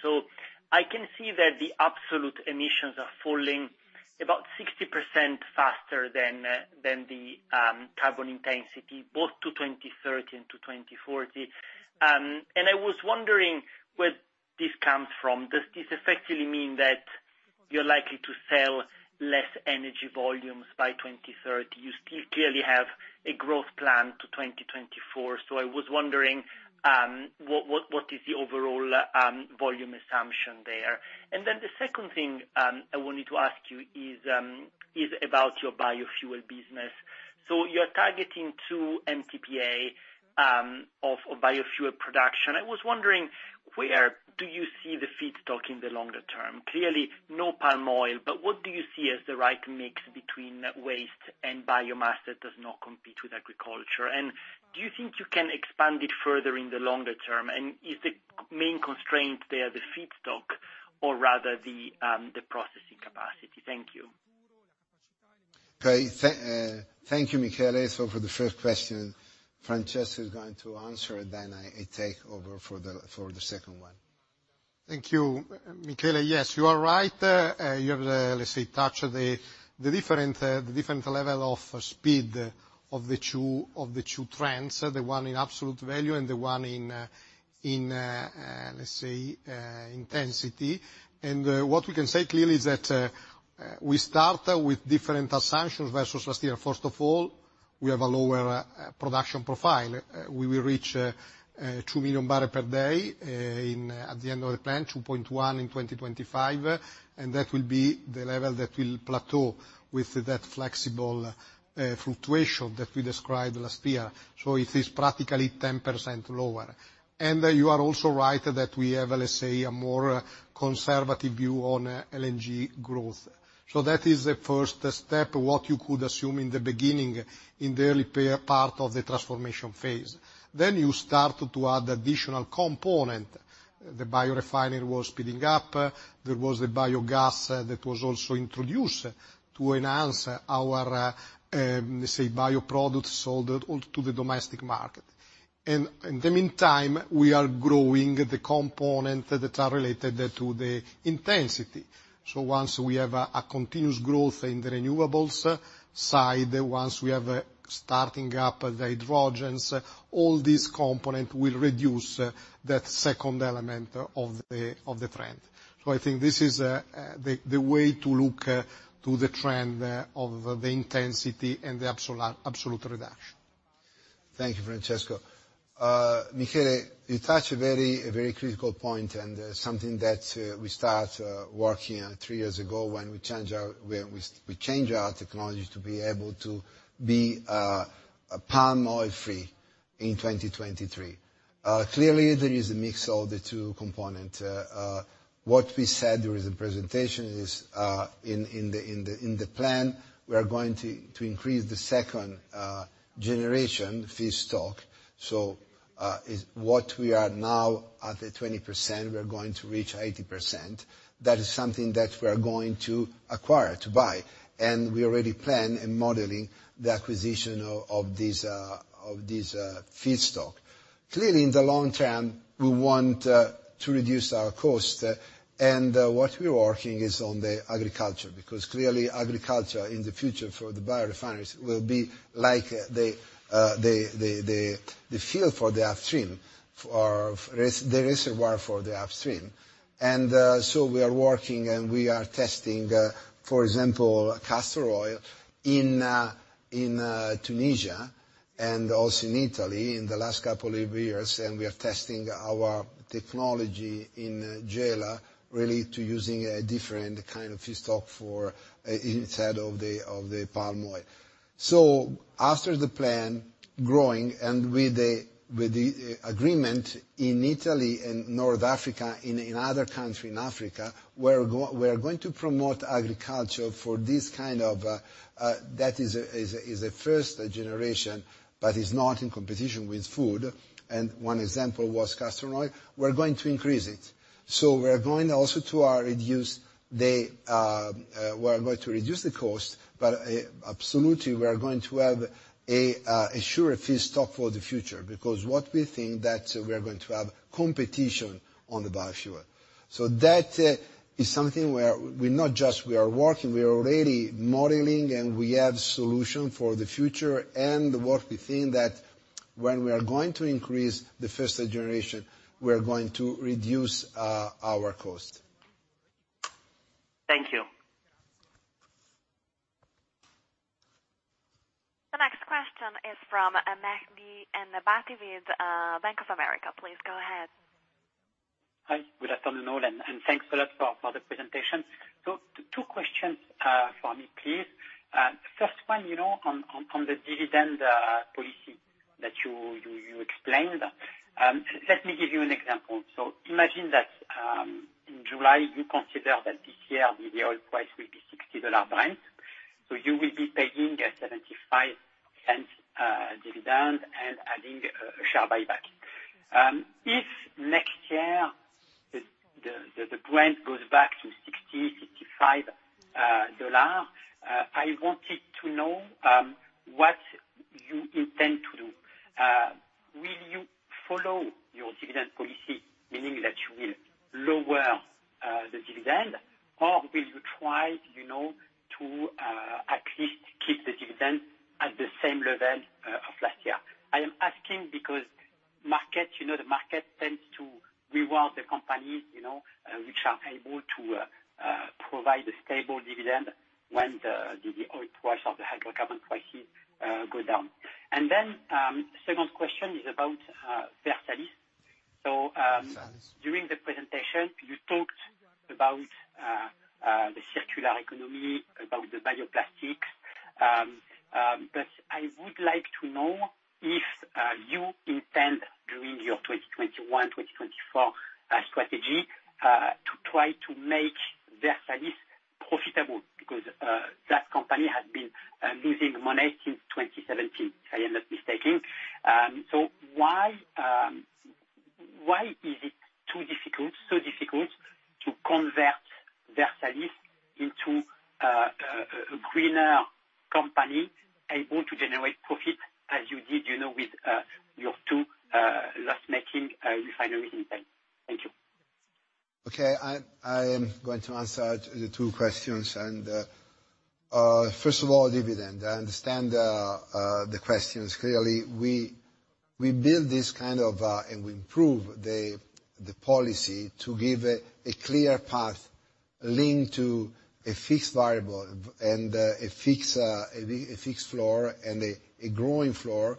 I can see that the absolute emissions are falling about 60% faster than the carbon intensity, both to 2030 and to 2040. I was wondering where this comes from. Does this effectively mean that you're likely to sell less energy volumes by 2030? You still clearly have a growth plan to 2024. I was wondering, what is the overall volume assumption there? The second thing I wanted to ask you is about your biofuel business. You're targeting two MTPA of biofuel production. I was wondering, where do you see the feedstock in the longer term? Clearly no palm oil, what do you see as the right mix between waste and biomass that does not compete with agriculture? Do you think you can expand it further in the longer term? Is the main constraint there the feedstock or rather the processing capacity? Thank you. Okay. Thank you, Michele. For the first question, Francesco is going to answer, then I take over for the second one. Thank you. Michele, yes, you are right. You have, let's say, touched the different level of speed of the two trends, the one in absolute value and the one in, let's say, intensity. What we can say clearly is that we start with different assumptions versus last year. First of all, we have a lower production profile. We will reach 2 million barrel per day at the end of the plan, 2.1 in 2025, that will be the level that will plateau with that flexible fluctuation that we described last year. It is practically 10% lower. You are also right that we have, let's say, a more conservative view on LNG growth. That is the first step, what you could assume in the beginning, in the early part of the transformation phase. You start to add additional component. The biorefinery was speeding up. There was the biogas that was also introduced to enhance our, let's say, bioproducts sold onto the domestic market. In the meantime, we are growing the component that are related to the intensity. Once we have a continuous growth in the renewables side, once we are starting up the hydrogens, all these component will reduce that second element of the trend. I think this is the way to look to the trend of the intensity and the absolute reduction. Thank you, Francesco. Michele, you touch a very critical point, and something that we start working on three years ago when we change our technologies to be able to be palm oil free in 2023. Clearly, there is a mix of the two component. What we said during the presentation is in the plan, we are going to increase the second generation feedstock. What we are now at the 20%, we are going to reach 80%. That is something that we are going to acquire, to buy, and we already plan in modeling the acquisition of these feedstock. Clearly, in the long term, we want to reduce our cost, and what we are working is on the agriculture, because clearly agriculture in the future for the biorefineries will be like the field for the upstream, or the reservoir for the upstream. We are working and we are testing, for example, castor oil in Tunisia and also in Italy in the last couple of years, and we are testing our technology in Gela, really to using a different kind of feedstock instead of the palm oil. After the plan growing and with the agreement in Italy and North Africa, in other country in Africa, we are going to promote agriculture for this kind of That is a first generation, but it's not in competition with food. One example was castor oil. We're going to increase it. We are going also to reduce the cost, but absolutely, we are going to have a surer feedstock for the future, because what we think that we are going to have competition on the biofuel. That is something where we're not just we are working, we are already modeling and we have solution for the future and what we think that when we are going to increase the first generation, we are going to reduce our cost. Thank you. The next question is from Mehdi Ennebati, Bank of America. Please go ahead. Hi. Good afternoon all, and thanks a lot for the presentation. Two questions for me, please. First one, on the dividend policy that you explained. Let me give you an example. Imagine that in July you consider that this year the oil price will be EUR 60 Brent, you will be paying a 0.75 dividend and adding a share buyback. If next year the Brent goes back to EUR 60-EUR 65, I wanted to know what you intend to do. Will you follow your dividend policy, meaning that you will lower the dividend, or will you try to at least keep the dividend at the same level of last year? I am asking because the market tends to reward the companies which are able to provide a stable dividend when the oil price or the hydrocarbon prices go down. Second question is about Versalis. During the presentation, you talked about the circular economy, about the bioplastics. I would like to know if you intend, during your 2021, 2024 strategy, to try to make Versalis profitable, because that company has been losing money since 2017, if I am not mistaken. Why is it so difficult to convert Versalis into a greener company able to generate profit as you did with your two loss-making refineries in time? Thank you. Okay. I am going to answer the two questions. First of all, dividend. I understand the questions. Clearly, we improve the policy to give a clear path linked to a fixed variable, and a fixed floor and a growing floor,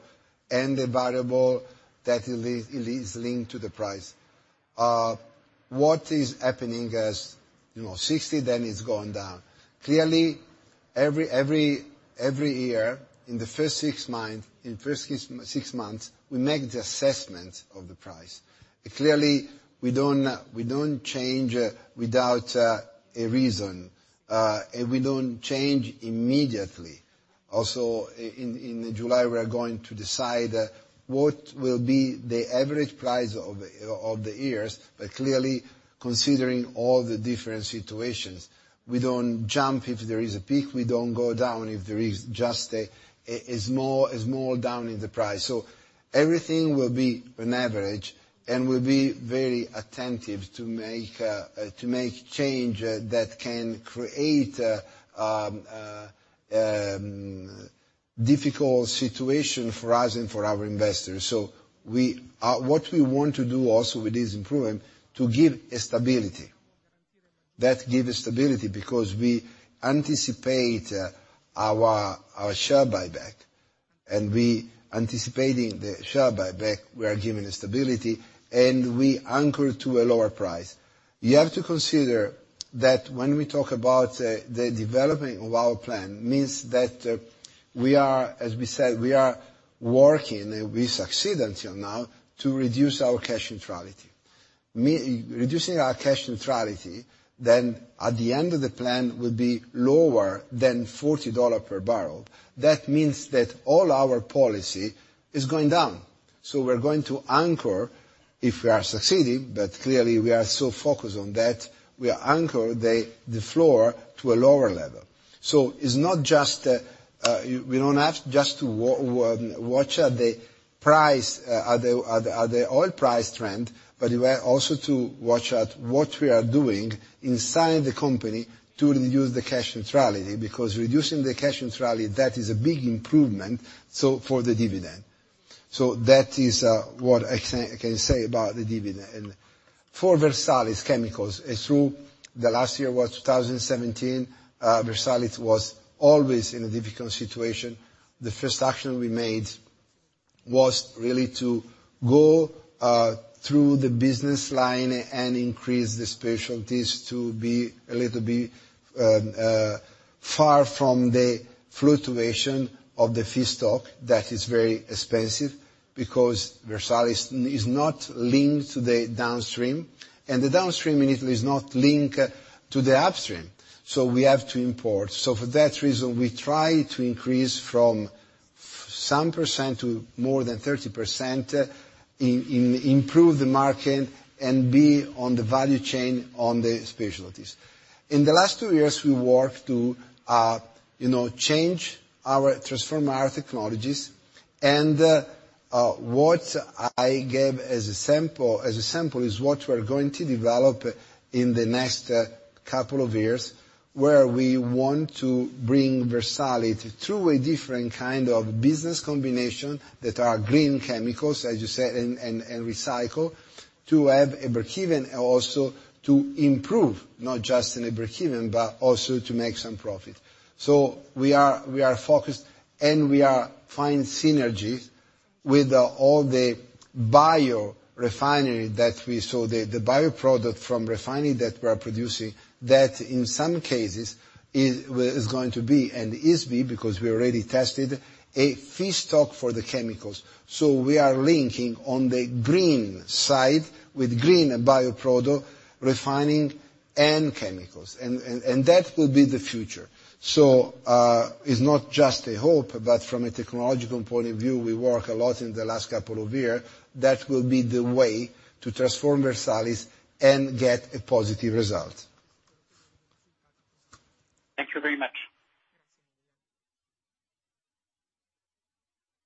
and a variable that is linked to the price. What is happening as 60, then it's gone down. Clearly, every year in the first six months, we make the assessment of the price. Clearly we don't change without a reason. We don't change immediately. Also, in July, we are going to decide what will be the average price of the years, but clearly considering all the different situations. We don't jump if there is a peak. We don't go down if there is just a small down in the price. Everything will be an average, and we'll be very attentive to make change that can create a difficult situation for us and for our investors. What we want to do also with this improvement, to give a stability. That give a stability, because we anticipate our share buyback. We anticipating the share buyback, we are giving a stability, and we anchor to a lower price. You have to consider that when we talk about the development of our plan, means that we are, as we said, we are working, and we succeed until now, to reduce our cash neutrality. Reducing our cash neutrality, then at the end of the plan will be lower than $40 per barrel. That means that all our policy is going down. We're going to anchor, if we are succeeding, but clearly we are so focused on that, we anchor the floor to a lower level. We don't have just to watch the oil price trend, but we were also to watch at what we are doing inside the company to reduce the cash neutrality. Because reducing the cash neutrality, that is a big improvement, so for the dividend. That is what I can say about the dividend. For Versalis Chemicals, through the last year was 2017, Versalis was always in a difficult situation. The first action we made was really to go through the business line and increase the specialties to be a little bit far from the fluctuation of the feedstock. That is very expensive, because Versalis is not linked to the downstream. The downstream in Italy is not linked to the upstream, so we have to import. For that reason, we try to increase from some percent to more than 30% in improve the margin and be on the value chain on the specialties. In the last two years, we worked to transform our technologies, and what I gave as a sample is what we are going to develop in the next couple of years. We want to bring Versalis to a different kind of business combination that are green chemicals, as you said, and recycle, to have a breakeven also, to improve, not just an breakeven, but also to make some profit. We are focused, and we are finding synergies with all the biorefinery that we saw, the bioproduct from refining that we are producing, that in some cases is going to be, and is, because we already tested, a feedstock for the chemicals. We are linking on the green side with green bioproduct refining and chemicals. That will be the future. It is not just a hope, but from a technological point of view, we worked a lot in the last couple of years, that will be the way to transform Versalis and get a positive result. Thank you very much.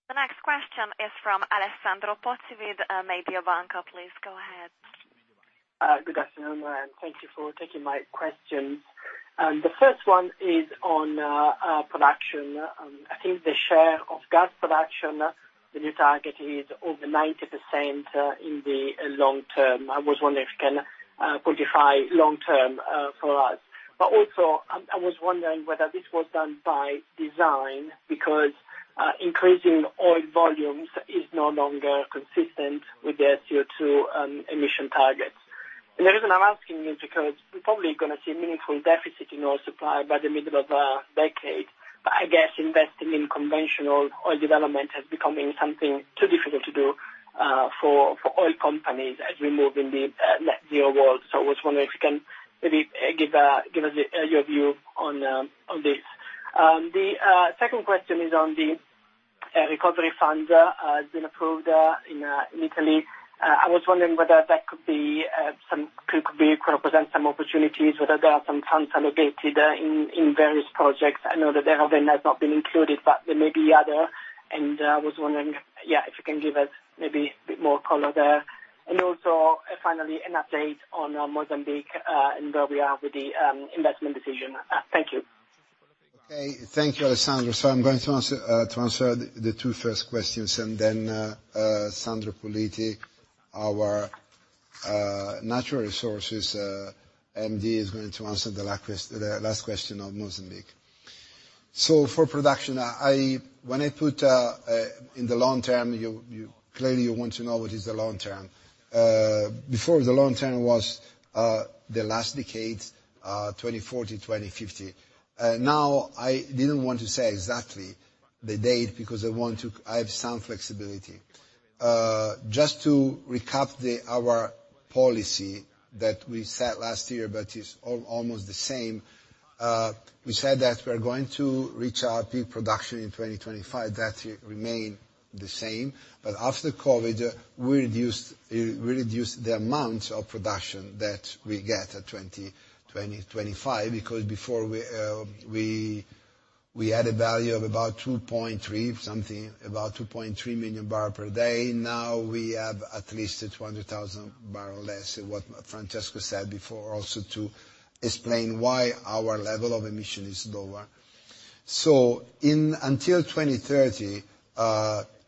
The next question is from Alessandro Pozzi with Mediobanca. Please go ahead. Good afternoon, thank you for taking my questions. The first one is on production. I think the share of gas production, the new target is over 90% in the long term. I was wondering if you can quantify long term for us. Also, I was wondering whether this was done by design because increasing oil volumes is no longer consistent with the CO2 emission targets. The reason I'm asking is because we're probably going to see a meaningful deficit in oil supply by the middle of the decade. I guess investing in conventional oil development has become something too difficult to do for oil companies as we move in the net zero world. I was wondering if you can maybe give us your view on this. The second question is on the recovery funds that has been approved in Italy. I was wondering whether that could represent some opportunities, whether there are some funds allocated in various projects. I know that Ravenna has not been included, but there may be other, and I was wondering if you can give us maybe a bit more color there. Finally, an update on Mozambique, and where we are with the investment decision. Thank you. Thank you, Alessandro. I'm going to answer the two first questions, and then Alessandro Puliti, our Natural Resources MD, is going to answer the last question on Mozambique. For production, when I put in the long term, clearly you want to know what is the long term. Before the long term was the last decade, 2040, 2050. I didn't want to say exactly the date because I have some flexibility. Just to recap our policy that we set last year, is almost the same. We said that we are going to reach our peak production in 2025. That remain the same. After COVID, we reduced the amount of production that we get at 2025, because before we had a value of about 2.3 something, about 2.3 million barrel per day. We have at least 200,000 barrels less, what Francesco said before, also to explain why our level of emissions is lower. Until 2030,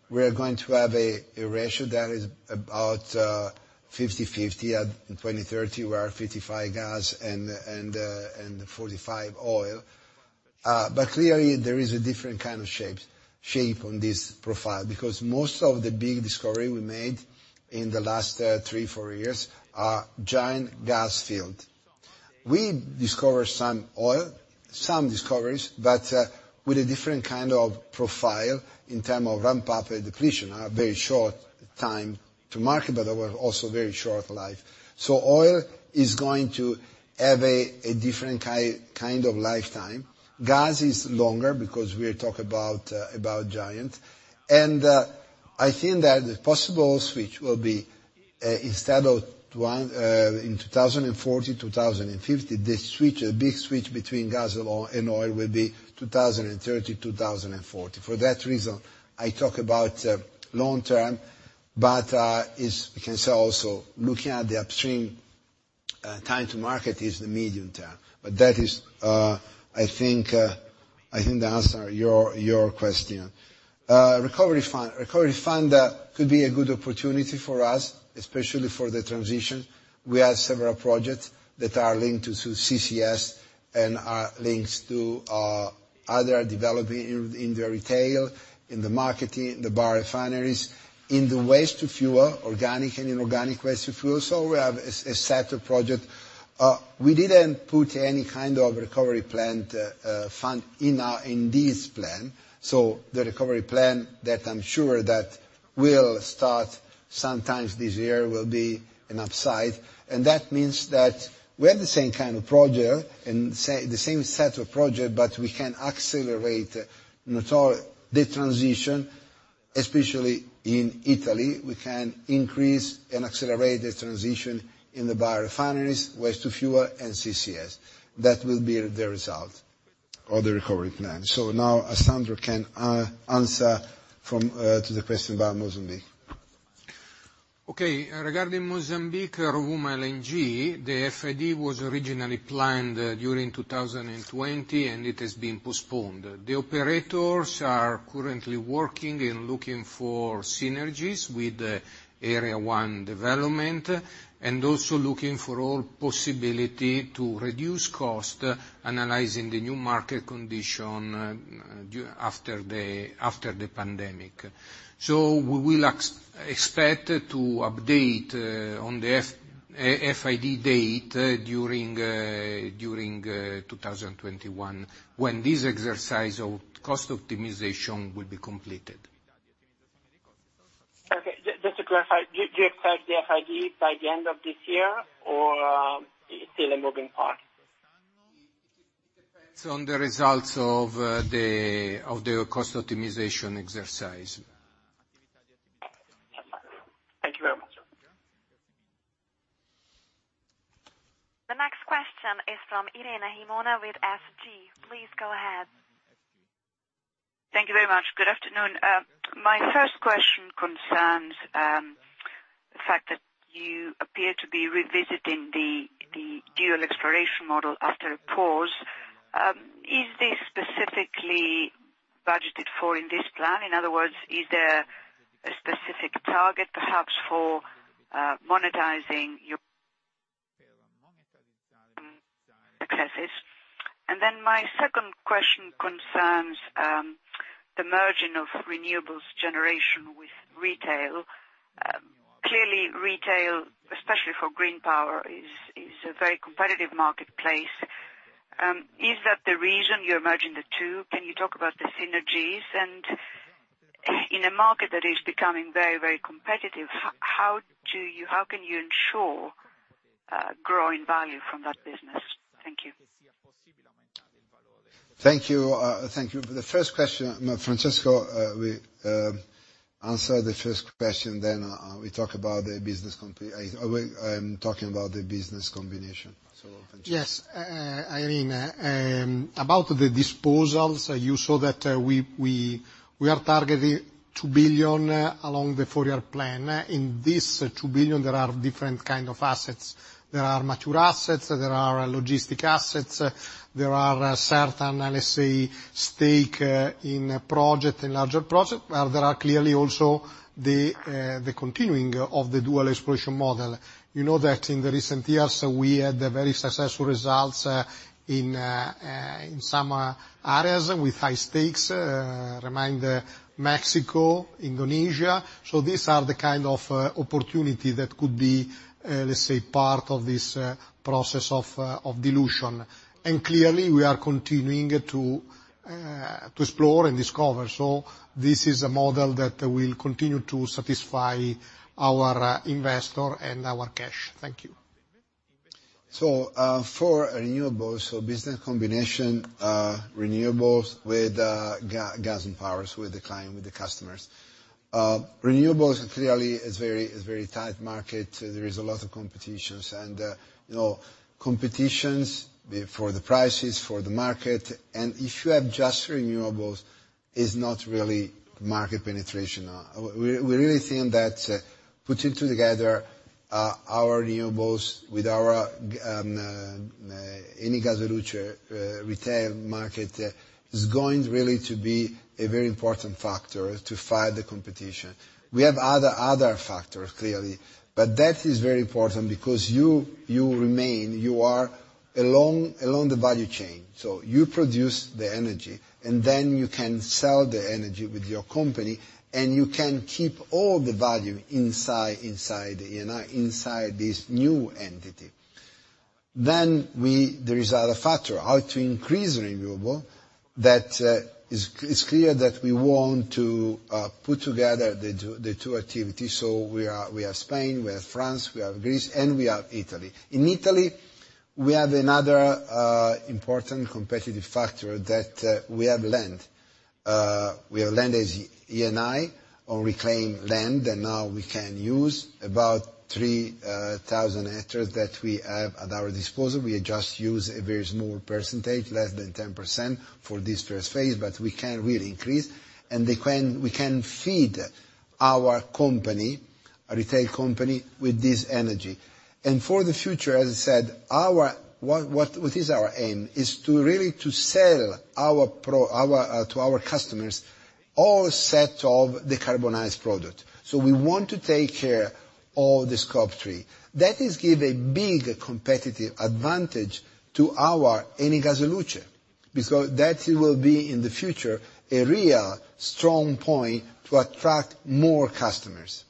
we are going to have a ratio that is about 50/50. At 2030, we are 55% gas and 45% oil. Clearly there is a different kind of shape on this profile because most of the big discoveries we made in the last three, four years are giant gas fields. We discovered some oil, some discoveries, but with a different kind of profile in terms of ramp up and depletion, a very short time to market, but also very short life. Oil is going to have a different kind of lifetime. Gas is longer because we are talking about giant. I think that the possible switch will be, instead of in 2040, 2050, the big switch between gas and oil will be 2030, 2040. For that reason, I talk about long term, but you can say also looking at the upstream time to market is the medium term. That is I think the answer your question. Recovery Fund could be a good opportunity for us, especially for the transition. We have several projects that are linked to CCS and are linked to other development in the retail, in the marketing, the biorefineries, in the waste-to-fuel, organic and inorganic waste-to-fuel. We have a set of project. We didn't put any kind of recovery fund in this plan. The recovery plan that I'm sure that will start sometimes this year will be an upside, and that means that we have the same kind of project and the same set of project, but we can accelerate the transition, especially in Italy. We can increase and accelerate the transition in the biorefineries, waste-to-fuel, and CCS. That will be the result of the recovery plan. Now Alessandro can answer to the question about Mozambique. Okay. Regarding Mozambique, Rovuma LNG, the FID was originally planned during 2020, and it has been postponed. The operators are currently working and looking for synergies with Area 1 development, and also looking for all possibility to reduce cost, analyzing the new market condition after the pandemic. We will expect to update on the FID date during 2021, when this exercise of cost optimization will be completed. Okay. Just to clarify, do you expect the FID by the end of this year, or it's still a moving part? It's on the results of the cost optimization exercise. Thank you very much. The next question is from Irene Himona with SG. Please go ahead. Thank you very much. Good afternoon. My first question concerns the fact that you appear to be revisiting the dual exploration model after a pause. Is this specifically budgeted for in this plan? In other words, is there a specific target, perhaps, for monetizing your successes? My second question concerns the merging of renewables generation with retail. Clearly, retail, especially for green power, is a very competitive marketplace. Is that the reason you're merging the two? Can you talk about the synergies? In a market that is becoming very competitive, how can you ensure growing value from that business? Thank you. Thank you. For the first question, Francesco will answer the first question, then we talk about the business combination. Francesco? Yes. Irene, about the disposals, you saw that we are targeting 2 billion along the four-year plan. In this 2 billion, there are different kind of assets. There are mature assets, there are logistic assets, there are certain, let's say, stake in larger project. There are clearly also the continuing of the dual exploration model. You know that in the recent years, we had very successful results in some areas with high stakes. I remind Mexico, Indonesia. These are the kind of opportunity that could be, let's say, part of this process of dilution. Clearly, we are continuing to explore and discover. This is a model that will continue to satisfy our investor and our cash. Thank you. For renewables, business combination, renewables with gas and powers with the customers. Renewables clearly is very tight market. There is a lot of competitions. Competitions for the prices, for the market, and if you have just renewables, it's not really market penetration. We really think that putting together our renewables with our Eni Gas e Luce retail market is going really to be a very important factor to fight the competition. We have other factors, clearly, but that is very important because you remain, you are along the value chain. You produce the energy, and then you can sell the energy with your company, and you can keep all the value inside this new entity. There is other factor, how to increase renewable. That is clear that we want to put together the two activities. We have Spain, we have France, we have Greece, and we have Italy. In Italy, we have another important competitive factor that we have land. We have land as Eni on reclaimed land, and now we can use about 3,000 hectares that we have at our disposal. We just use a very small percentage, less than 10%, for this first phase, but we can really increase. We can feed our retail company with this energy. For the future, as I said, what is our aim is to really sell to our customers all set of the carbonized product. We want to take care of the Scope 3. That is give a big competitive advantage to our Eni Gas e Luce. That will be, in the future, a real strong point to attract more customers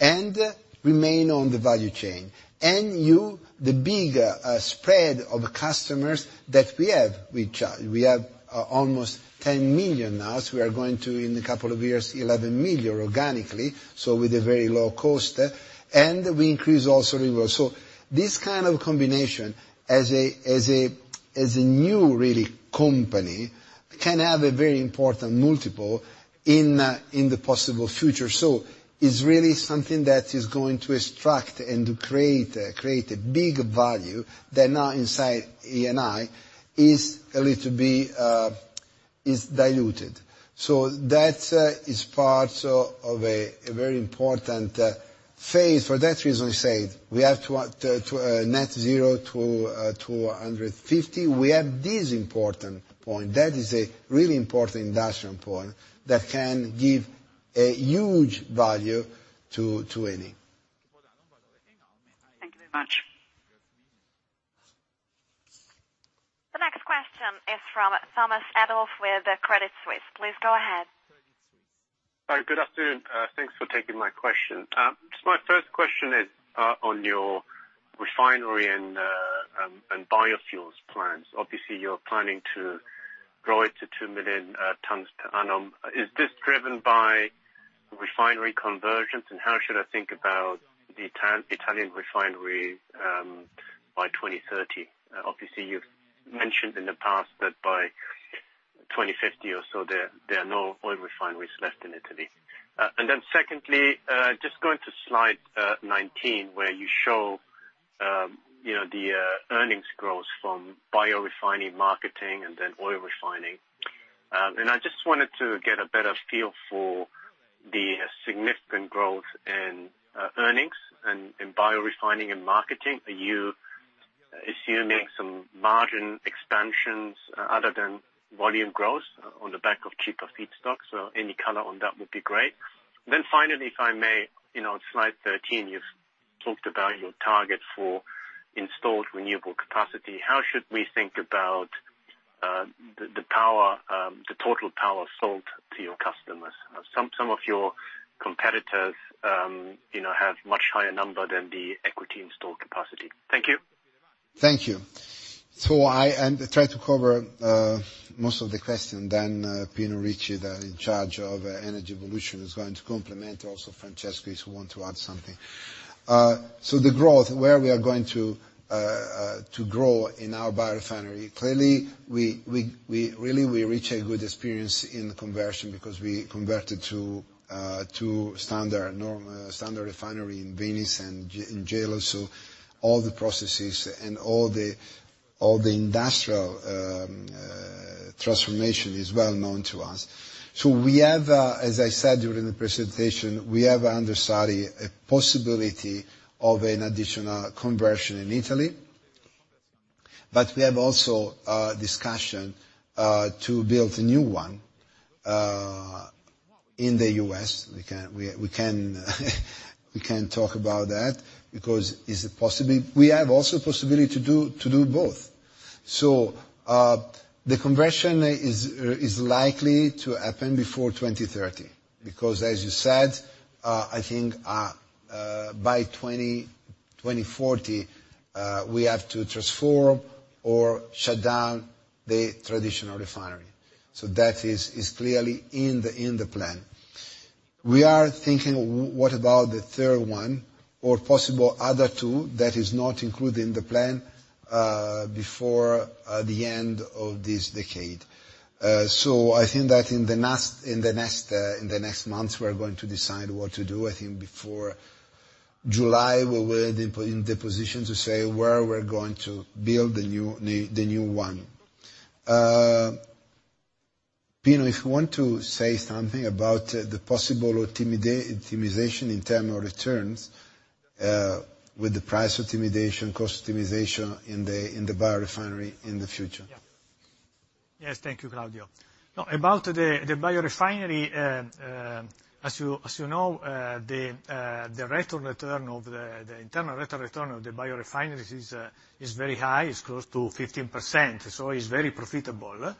and remain on the value chain. The big spread of customers that we have, which we have almost 10 million now. We are going to, in a couple of years, 11 million organically, with a very low cost, and we increase also renewables. This kind of combination, as a new really company, can have a very important multiple in the possible future. It's really something that is going to extract and to create a big value that now inside Eni. Is diluted. That is part of a very important phase. For that reason, we say we have net zero to 150. We have this important point, that is a really important industrial point that can give a huge value to Eni. Thank you very much. The next question is from Thomas Adolff with Credit Suisse. Please go ahead. Hi. Good afternoon. Thanks for taking my question. My first question is on your refinery and biofuels plans. Obviously, you're planning to grow it to 2 million tons per annum. Is this driven by refinery conversions? How should I think about the Italian refinery by 2030? Obviously, you've mentioned in the past that by 2050 or so, there are no oil refineries left in Italy. Secondly, just going to slide 19 where you show the earnings growth from biorefinery marketing, and then oil refining. I just wanted to get a better feel for the significant growth in earnings in biorefinery and marketing. Are you assuming some margin expansions other than volume growth on the back of cheaper feedstock? Any color on that would be great. Finally, if I may, on slide 13, you've talked about your target for installed renewable capacity. How should we think about the total power sold to your customers? Some of your competitors have much higher number than the equity installed capacity. Thank you. Thank you. I try to cover most of the question, then Giuseppe Ricci, in charge of Energy Evolution, is going to complement, also Francesco, if he wants to add something. The growth, where we are going to grow in our biorefinery. Clearly, really, we reach a good experience in conversion because we converted to standard refinery in Venice and in Gela. All the processes and all the industrial transformation is well-known to us. We have, as I said during the presentation, we have, under study, a possibility of an additional conversion in Italy. We have also a discussion to build a new one in the U.S. We can talk about that because we have also possibility to do both. The conversion is likely to happen before 2030 because, as you said, I think by 2040, we have to transform or shut down the traditional refinery. That is clearly in the plan. We are thinking, what about the third one or possible other two that is not included in the plan, before the end of this decade. I think that in the next months, we're going to decide what to do. I think before July, we will be in the position to say where we're going to build the new one. Pino, if you want to say something about the possible optimization in terms of returns, with the price optimization, cost optimization in the biorefinery in the future. Yes. Thank you, Claudio. About the biorefinery, as you know, the internal rate of return of the biorefineries is very high, is close to 15%, so is very profitable.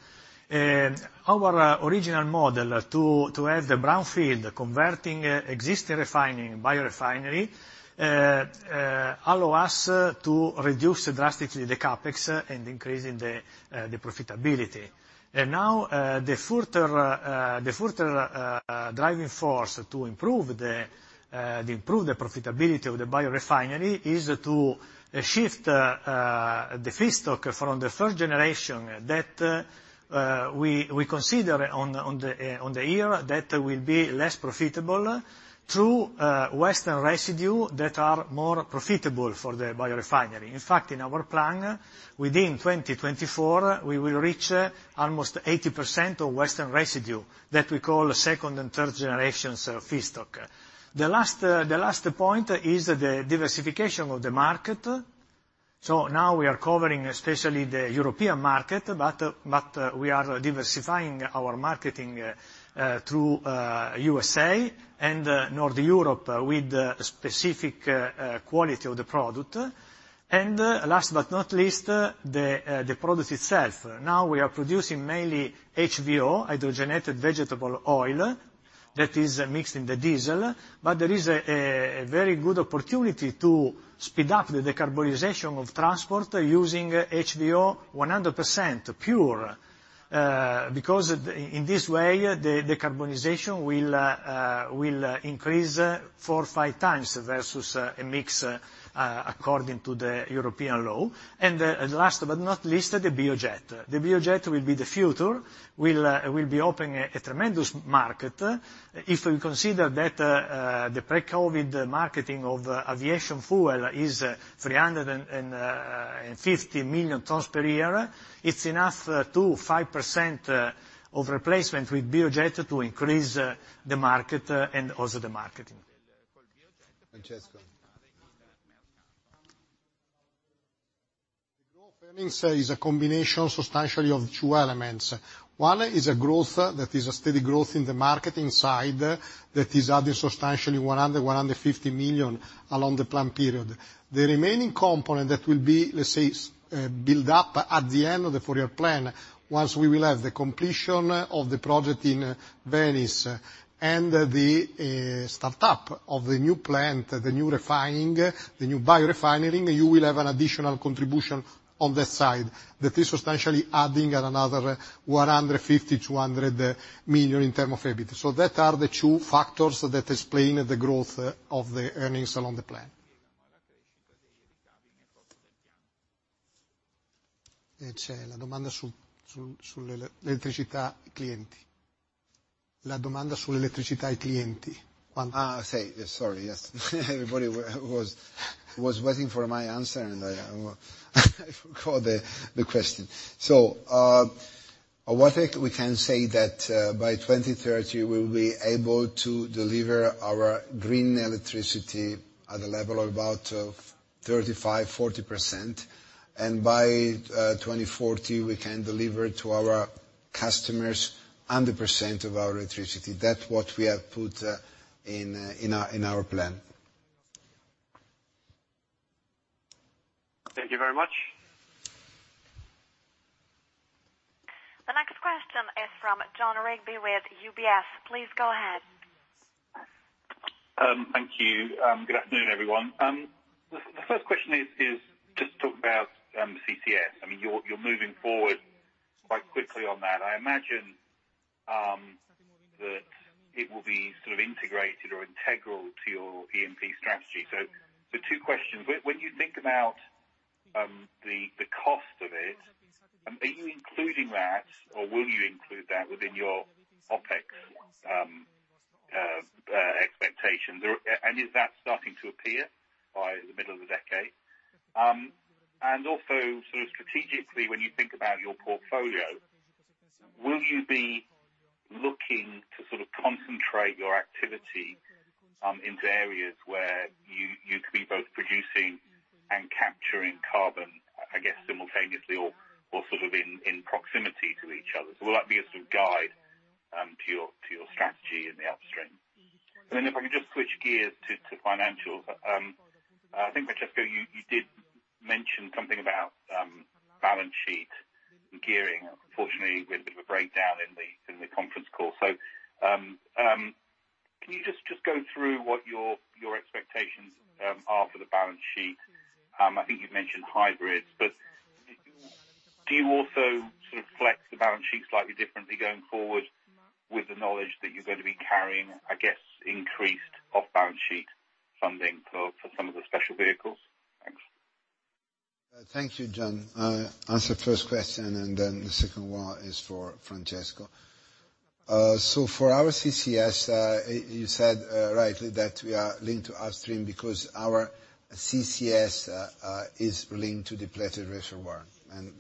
Our original model to have the brownfield converting existing refining and biorefinery, allow us to reduce drastically the CapEx and increasing the profitability. The further driving force to improve the profitability of the biorefinery is to shift the feedstock from the first generation that we consider on the year that will be less profitable, through waste and residue that are more profitable for the biorefinery. In our plan, within 2024, we will reach almost 80% of waste and residue, that we call second and third generations feedstock. The last point is the diversification of the market. Now we are covering especially the European market, but we are diversifying our marketing through U.S.A. and North Europe with specific quality of the product. Last but not least, the product itself. Now we are producing mainly HVO, hydrogenated vegetable oil, that is mixed in the diesel. There is a very good opportunity to speed up the decarbonization of transport using HVO 100% pure. In this way, the decarbonization will increase 4x or 5x versus a mix according to the European law. Last but not least, the biojet. The biojet will be the future. We'll be opening a tremendous market. If we consider that the pre-COVID-19 marketing of aviation fuel is 350 million tons per year, it's enough to 5% of replacement with biojet to increase the market and also the marketing. Francesco All earnings is a combination substantially of two elements. One is a growth, that is a steady growth in the marketing side that is adding substantially 100 million-150 million along the plan period. The remaining component that will be, let's say, build up at the end of the four-year plan, once we will have the completion of the project in Venice and the start-up of the new plant, the new refining, the new biorefinery, you will have an additional contribution on that side. That is substantially adding another EUR 150 million to EUR 100 million in term of EBIT. That are the two factors that explain the growth of the earnings along the plan. Sorry. Yes. Everybody was waiting for my answer and I forgot the question. What we can say that by 2030, we will be able to deliver our green electricity at a level of about 35%-40%. By 2040, we can deliver to our customers 100% of our electricity. That's what we have put in our plan. Thank you very much. The next question is from Jon Rigby with UBS. Please go ahead. Thank you. Good afternoon, everyone. The first question is just talk about CCS. You're moving forward quite quickly on that. I imagine that it will be integrated or integral to your E&P strategy. The two questions. When you think about the cost of it, are you including that, or will you include that within your OpEx expectations? Is that starting to appear by the middle of the decade? Also strategically, when you think about your portfolio, will you be looking to concentrate your activity into areas where you could be both producing and capturing carbon, I guess, simultaneously or sort of in proximity to each other? Will that be a sort of guide to your strategy in the upstream? If I can just switch gears to financials. I think, Francesco, you did mention something about balance sheet gearing. Unfortunately, we had a bit of a breakdown in the conference call. Can you just go through what your expectations are for the balance sheet? I think you've mentioned hybrids, do you also sort of flex the balance sheet slightly differently going forward with the knowledge that you're going to be carrying, I guess, increased off balance sheet funding for some of the special vehicles? Thanks. Thank you, Jon. I answer first question, and then the second one is for Francesco. For our CCS, you said rightly that we are linked to upstream because our CCS is linked to depleted reservoir.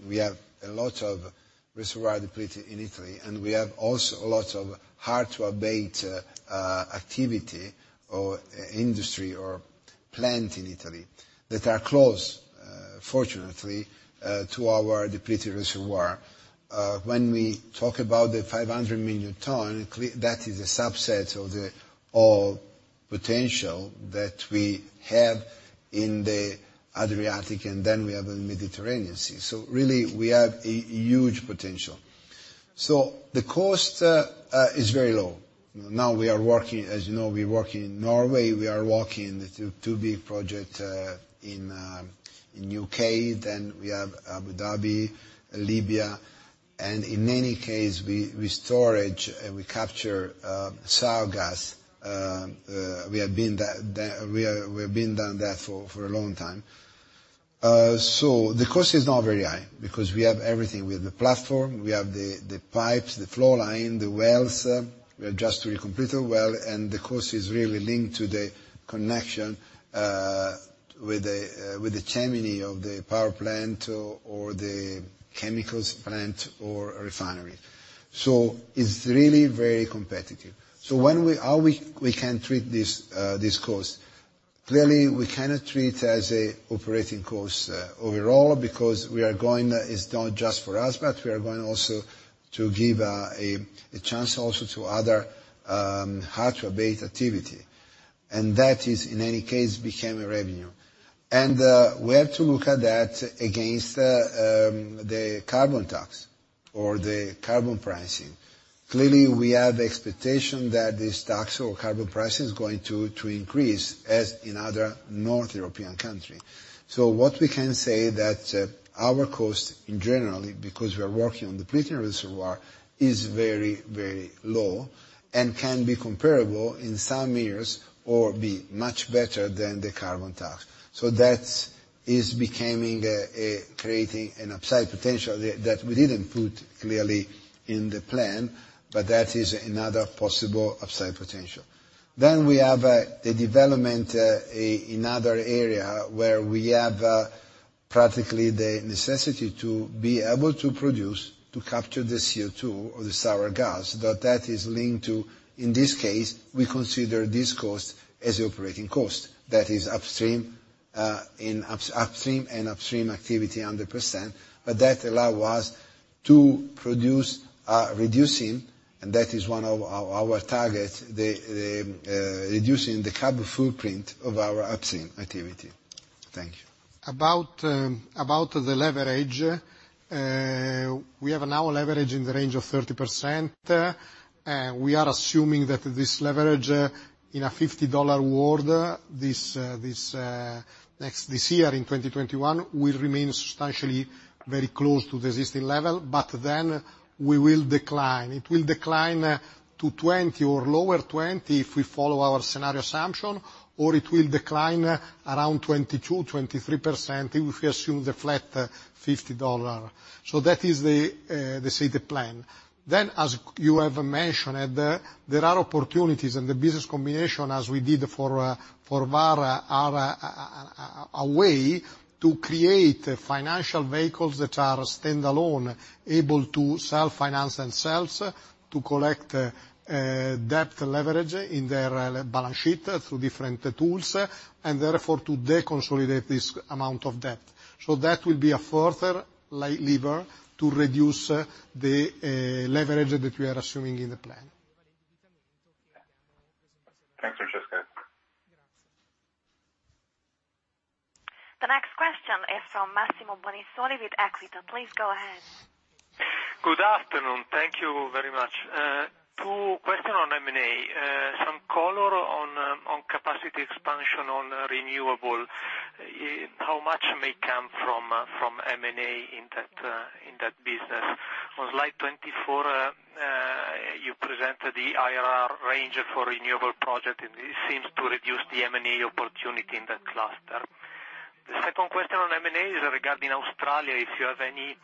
We have a lot of reservoir depleted in Italy, and we have also a lot of hard-to-abate activity or industry or plant in Italy that are close, fortunately, to our depleted reservoir. When we talk about the 500 million ton, that is a subset of the all potential that we have in the Adriatic, and then we have the Mediterranean Sea. Really we have a huge potential. The cost is very low. Now we are working, as you know, we are working in Norway, we are working two big project in U.K. We have Abu Dhabi, Libya, and in any case we storage and we capture sour gas. We have been done that for a long time. The cost is not very high because we have everything. We have the platform, we have the pipes, the flow line, the wells. We have just redrilled complete a well, and the cost is really linked to the connection with the chimney of the power plant or the chemicals plant or refinery. It's really very competitive. How we can treat this cost? Clearly, we cannot treat as a operating cost overall because it's not just for us, but we are going also to give a chance also to other hard-to-abate activity. That is, in any case, became a revenue. We have to look at that against the carbon tax or the carbon pricing. Clearly, we have expectation that this tax or carbon pricing is going to increase as in other North European country. What we can say that our cost in general, because we are working on depleting reservoir, is very low, and can be comparable in some years or be much better than the carbon tax. That is creating an upside potential that we didn't put clearly in the plan, but that is another possible upside potential. We have the development in other area where we have practically the necessity to be able to produce, to capture the CO2 or the sour gas, that is linked to, in this case, we consider this cost as operating cost. That is upstream and upstream activity 100%, but that allow us to produce, reducing, and that is one of our targets, reducing the carbon footprint of our upstream activity. Thank you. About the leverage, we have now leverage in the range of 30%. We are assuming that this leverage in a $50 world this year in 2021 will remain substantially very close to the existing level. We will decline. It will decline to 20% or lower 20% if we follow our scenario assumption. It will decline around 22%-23% if we assume the flat $50. That is the stated plan. As you have mentioned, there are opportunities in the business combination, as we did for Vår, are a way to create financial vehicles that are standalone, able to self-finance themselves, to collect debt leverage in their balance sheet through different tools. Therefore, to de-consolidate this amount of debt. That will be a further lever to reduce the leverage that we are assuming in the plan. Thanks, Francesco. The next question is from Massimo Bonisoli with Equita. Please go ahead. Good afternoon. Thank you very much. Two questions on M&A. Some color on capacity expansion on renewable. How much may come from M&A in that business? On slide 24, you presented the IRR range for renewable projects. This seems to reduce the M&A opportunity in that cluster. The second question on M&A is regarding Australia, if you have any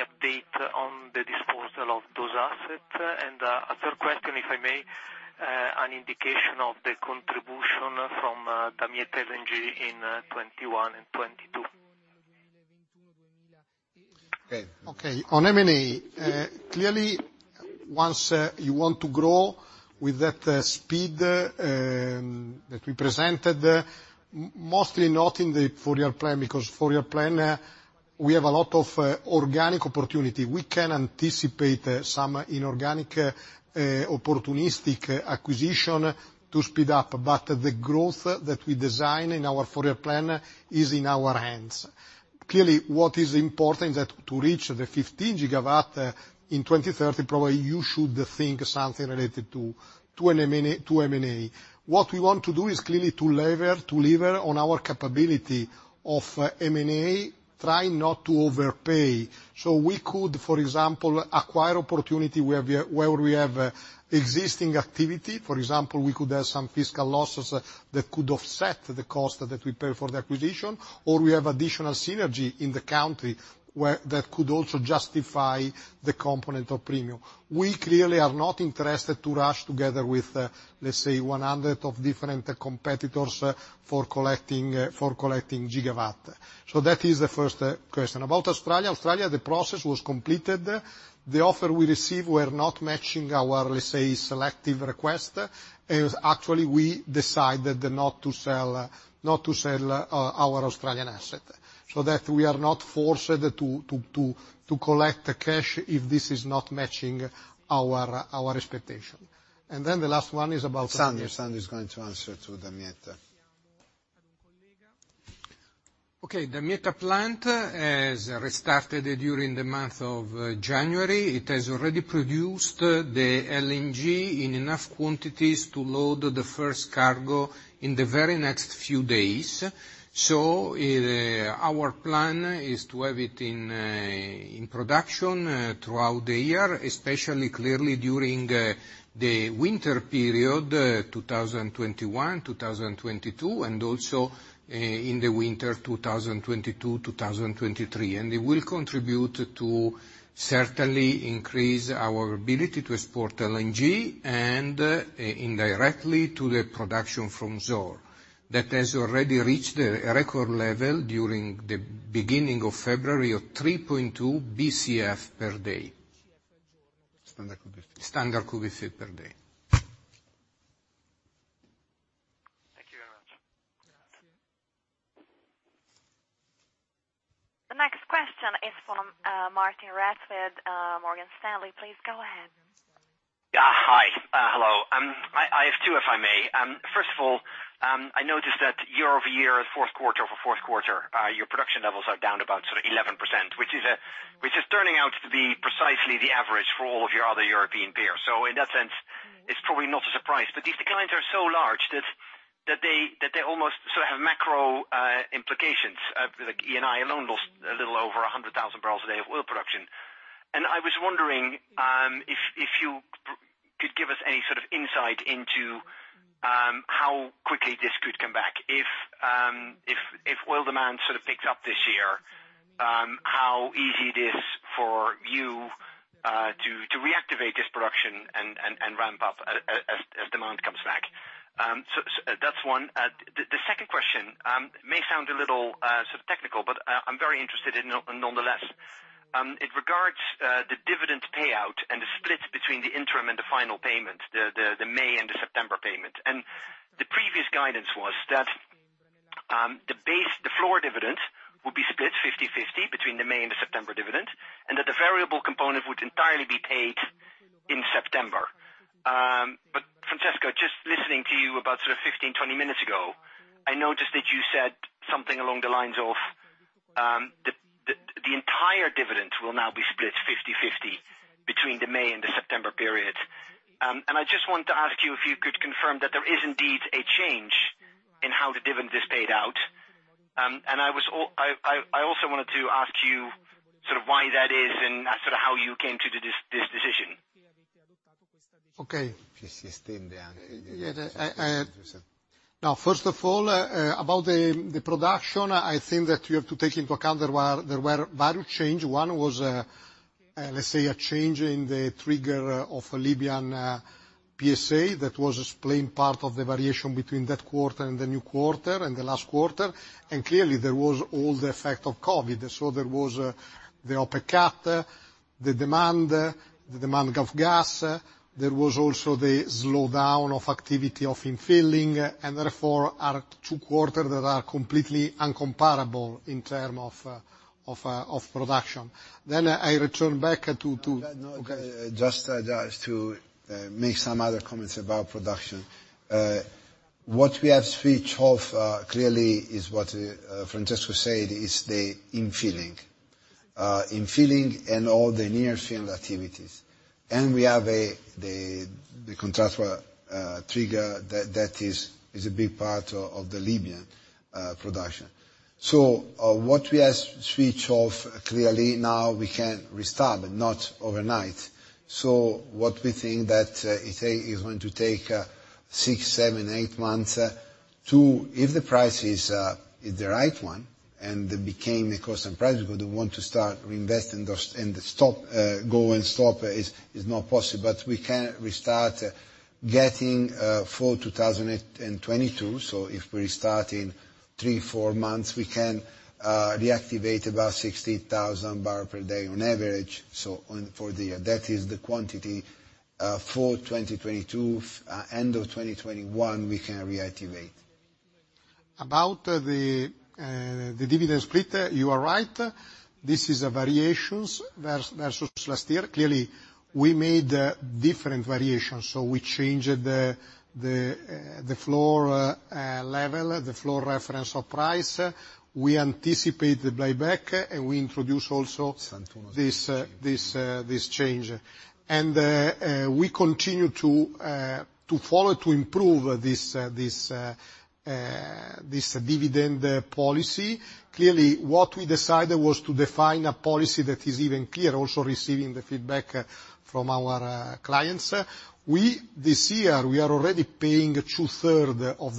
update on the disposal of those assets? A third question, if I may, an indication of the contribution from Damietta LNG in 2021 and 2022. Okay. On M&A, clearly, once you want to grow with that speed that we presented, mostly not in the four-year plan, because four-year plan, we have a lot of organic opportunity. We can anticipate some inorganic opportunistic acquisition to speed up. The growth that we design in our four-year plan is in our hands. What is important is that to reach the 15 GW in 2030, probably you should think something related to M&A. What we want to do is clearly to lever on our capability of M&A, try not to overpay. We could, for example, acquire opportunity where we have existing activity. For example, we could have some fiscal losses that could offset the cost that we pay for the acquisition, or we have additional synergy in the country that could also justify the component of premium. We clearly are not interested to rush together with, let's say, 100 of different competitors for collecting gigawatt. That is the first question. About Australia, the process was completed. The offer we received were not matching our, let's say, selective request. Actually, we decided not to sell our Australian asset, so that we are not forced to collect the cash if this is not matching our expectation. San is going to answer to Damietta. Okay, Damietta plant has restarted during the month of January. It has already produced the LNG in enough quantities to load the first cargo in the very next few days. Our plan is to have it in production throughout the year, especially clearly during the winter period, 2021, 2022, and also in the winter 2022, 2023. It will contribute to certainly increase our ability to export LNG and indirectly to the production from Zohr. That has already reached a record level during the beginning of February of 3.2 Bcf per day. Standard cubic feet. Standard cubic feet per day. Thank you very much. The next question is from Martijn Rats, Morgan Stanley. Please go ahead. Yeah. Hi. Hello. I have two, if I may. First of all, I noticed that year-over-year, fourth quarter for fourth quarter, your production levels are down about sort of 11%, which is turning out to be precisely the average for all of your other European peers. In that sense, it's probably not a surprise. These declines are so large that they almost sort of have macro implications. Like Eni alone lost a little over 100,000 barrels a day of oil production. I was wondering if you could give us any sort of insight into how quickly this could come back. If oil demand sort of picks up this year, how easy it is for you to reactivate this production and ramp up as demand comes back. That's one. The second question may sound a little sort of technical, but I'm very interested nonetheless. It regards the dividend payout and the split between the interim and the final payment, the May and the September payment. The previous guidance was that the floor dividends will be split 50/50 between the May and the September dividend, and that the variable component would entirely be paid in September. Francesco, just listening to you about sort of 15, 20 minutes ago, I noticed that you said something along the lines of the entire dividend will now be split 50/50 between the May and the September period. I just wanted to ask you if you could confirm that there is indeed a change in how the dividend is paid out. I also wanted to ask you sort of why that is, and sort of how you came to this decision. Okay. If you stay in the answer. First of all, about the production, I think that you have to take into account there were variable change. One was, let's say, a change in the trigger of a Libyan PSA that was playing part of the variation between that quarter and the new quarter, and the last quarter. Clearly, there was all the effect of COVID. There was the OPEC cut, the demand of gas. There was also the slowdown of activity of infilling, are two quarters that are completely incomparable in terms of production. I return back to- No. Okay. Just to make some other comments about production. What we have switched off, clearly, is what Francesco said, is the infilling. Infilling and all the near field activities. We have the contractual trigger that is a big part of the Libyan production. What we have switched off, clearly now we can restart, but not overnight. What we think that it is going to take six, seven, eight months to, if the price is the right one and became the cost and price because we want to start reinvest in the go and stop is not possible. We can restart getting full 2022. If we restart in three, four months, we can reactivate about 60,000 barrel per day on average. For the year, that is the quantity, for 2022, end of 2021, we can reactivate. About the dividend split, you are right. This is a variations versus last year. Clearly, we made different variations. We changed the floor level, the floor reference of price. We anticipate the buyback, and we introduce also this change. We continue to follow to improve this dividend policy. Clearly, what we decided was to define a policy that is even clear, also receiving the feedback from our clients. This year, we are already paying 2/3 of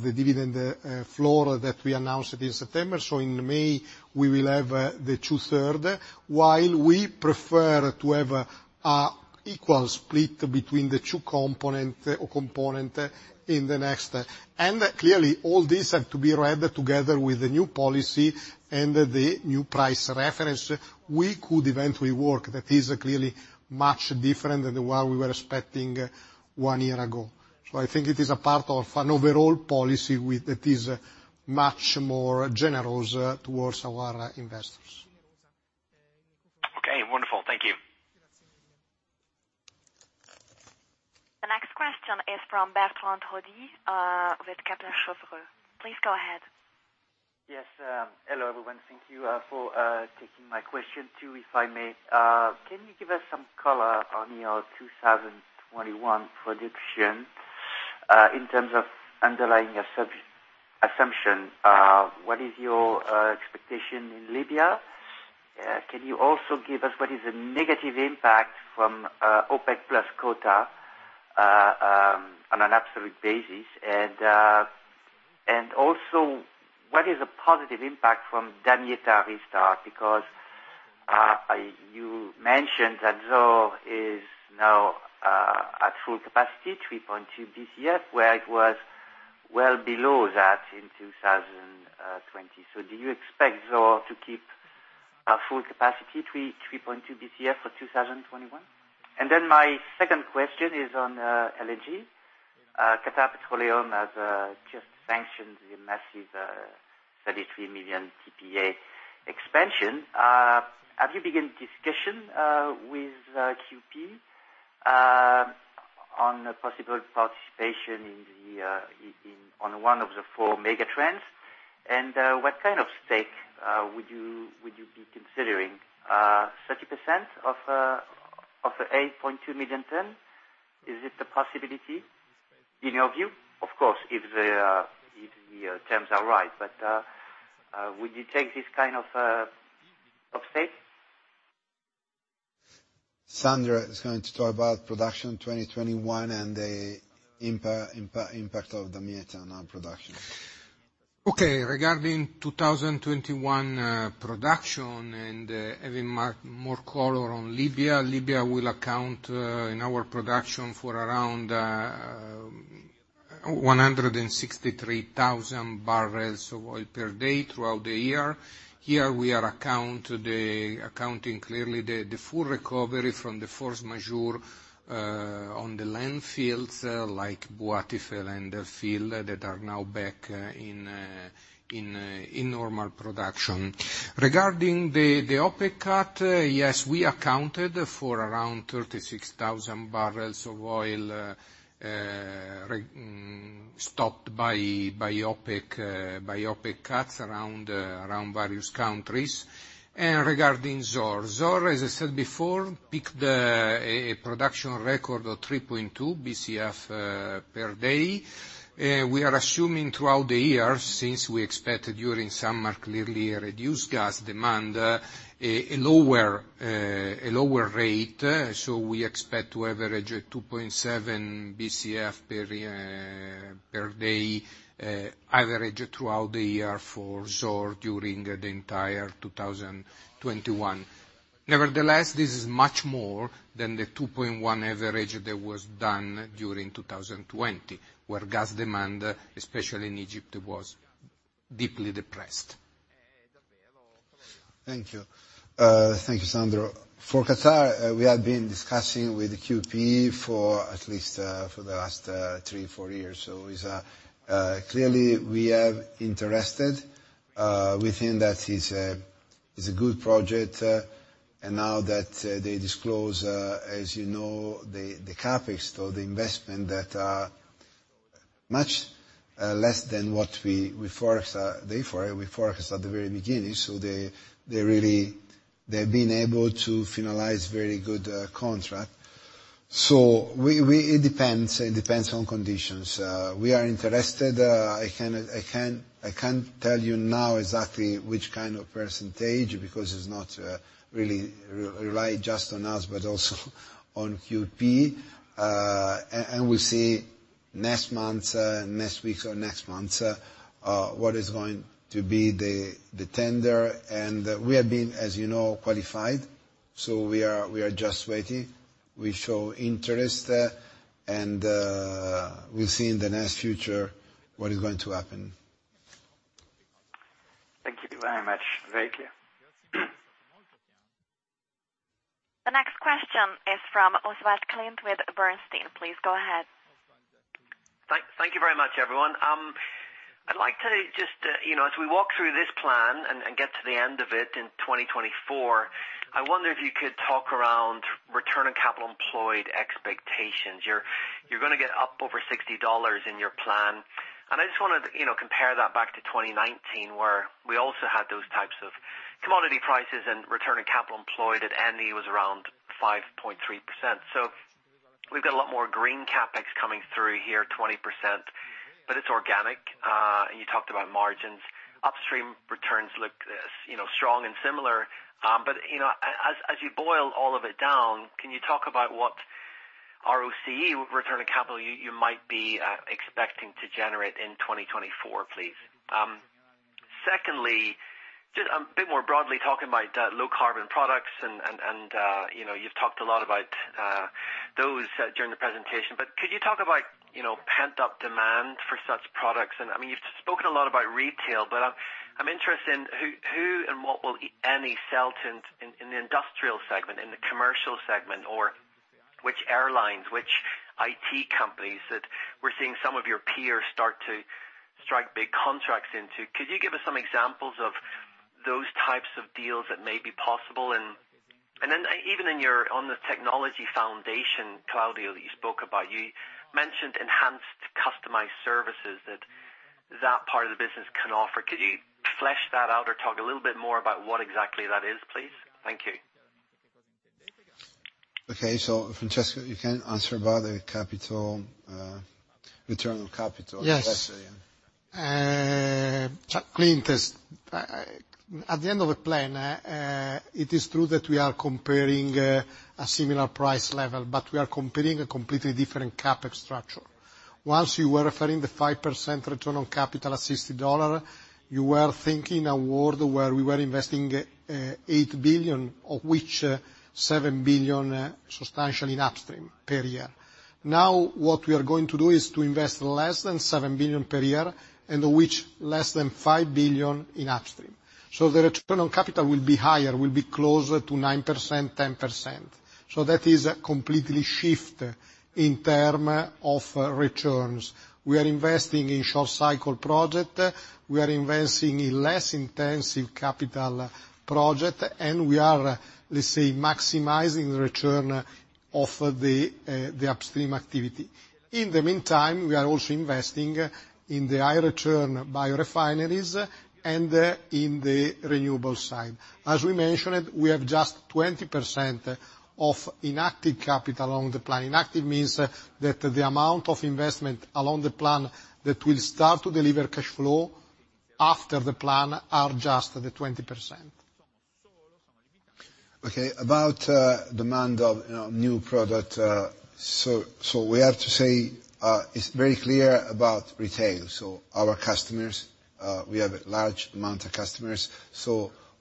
the dividend floor that we announced in September. In May, we will have the 2/3, while we prefer to have a equal split between the two component in the next. Clearly, all this had to be read together with the new policy and the new price reference. We could eventually work. That is clearly much different than what we were expecting one year ago. I think it is a part of an overall policy that is much more generous towards our investors. Okay, wonderful. Thank you. The next question is from Bertrand Hodee with Kepler Cheuvreux. Please go ahead. Yes. Hello, everyone. Thank you for taking my question too, if I may. Can you give us some color on your 2021 prediction, in terms of underlying assumption? What is your expectation in Libya? Can you also give us what is the negative impact from OPEC+ quota on an absolute basis? What is the positive impact from Damietta restart? Because you mentioned that Zohr is now at full capacity, 3.2 Bcf, where it was well below that in 2020. Do you expect Zohr to keep full capacity, 3.2 Bcf for 2021? My second question is on LNG. Qatar Petroleum has just sanctioned the massive 33 million TPA expansion. Have you begin discussion with QP on a possible participation on one of the four mega trains? What kind of stake would you be considering? 30% of the 8.2 million ton? Is it a possibility in your view? Of course, if the terms are right, but would you take this kind of stake? Sandro is going to talk about production 2021 and the impact of Damietta on our production. Okay, regarding 2021 production and having more color on Libya will account in our production for around. 163,000 barrels of oil per day throughout the year. Here we are accounting clearly the full recovery from the force majeure on the land fields, like [Uattifel] and the field that are now back in normal production. Regarding the OPEC cut, yes, we accounted for around 36,000 barrels of oil stopped by OPEC cuts around various countries. Regarding Zohr, as I said before, peaked a production record of 3.2 Bcf per day. We are assuming throughout the year, since we expect during summer clearly a reduced gas demand, a lower rate. We expect to average a 2.7 Bcf per day average throughout the year for Zohr during the entire 2021. Nevertheless, this is much more than the 2.1 average that was done during 2020, where gas demand, especially in Egypt, was deeply depressed. Thank you. Thank you, Sandro. For Qatar, we have been discussing with QP at least for the last three, four years. Clearly we are interested. We think that it's a good project. Now that they disclose, as you know, the CapEx or the investment that much less than what we forecast at the very beginning. They're being able to finalize very good contract. It depends on conditions. We are interested. I can't tell you now exactly which kind of percentage, because it's not really rely just on us, but also on QP. We'll see next week or next month, what is going to be the tender. We have been, as you know, qualified. We are just waiting. We show interest, and we'll see in the next future what is going to happen. Thank you very much. Very clear. The next question is from Oswald Clint with Bernstein. Please go ahead. Thank you very much, everyone. I'd like, as we walk through this plan and get to the end of it in 2024, I wonder if you could talk around return on capital employed expectations. You're going to get up over $60 in your plan. I wanted to compare that back to 2019, where we also had those types of commodity prices and return on capital employed at Eni was around 5.3%. We've got a lot more green CapEx coming through here, 20%. It's organic. You talked about margins. Upstream returns look strong and similar. As you boil all of it down, can you talk about what ROCE, return on capital, you might be expecting to generate in 2024, please? Secondly, a bit more broadly talking about low carbon products. You've talked a lot about those during the presentation. Could you talk about pent-up demand for such products? I mean, you've spoken a lot about retail, but I'm interested in who and what will Eni sell in the industrial segment, in the commercial segment, or which airlines, which IT companies that we're seeing some of your peers start to strike big contracts into. Could you give us some examples of those types of deals that may be possible? Even on the technology foundation, Claudio, that you spoke about. You mentioned enhanced customized services that part of the business can offer. Could you flesh that out or talk a little bit more about what exactly that is, please? Thank you. Okay. Francesco, you can answer about the return on capital invested. Yes. Clint, at the end of the plan, it is true that we are comparing a similar price level, but we are comparing a completely different CapEx structure. Once you were referring the 5% return on capital at $60, you were thinking a world where we were investing $8 billion, of which $7 billion substantially in upstream, per year. Now, what we are going to do is to invest less than $7 billion per year, and which less than $5 billion in upstream. The return on capital will be higher, will be closer to 9%, 10%. That is a completely shift in term of returns. We are investing in short cycle project. We are investing in less intensive capital project, and we are, let's say, maximizing the return of the upstream activity. In the meantime, we are also investing in the high return biorefineries and in the renewable side. As we mentioned, we have just 20% of inactive capital on the plan. Inactive means that the amount of investment along the plan that will start to deliver cash flow after the plan are just the 20%. Okay. About demand of new product, we have to say, it's very clear about retail. Our customers, we have a large amount of customers.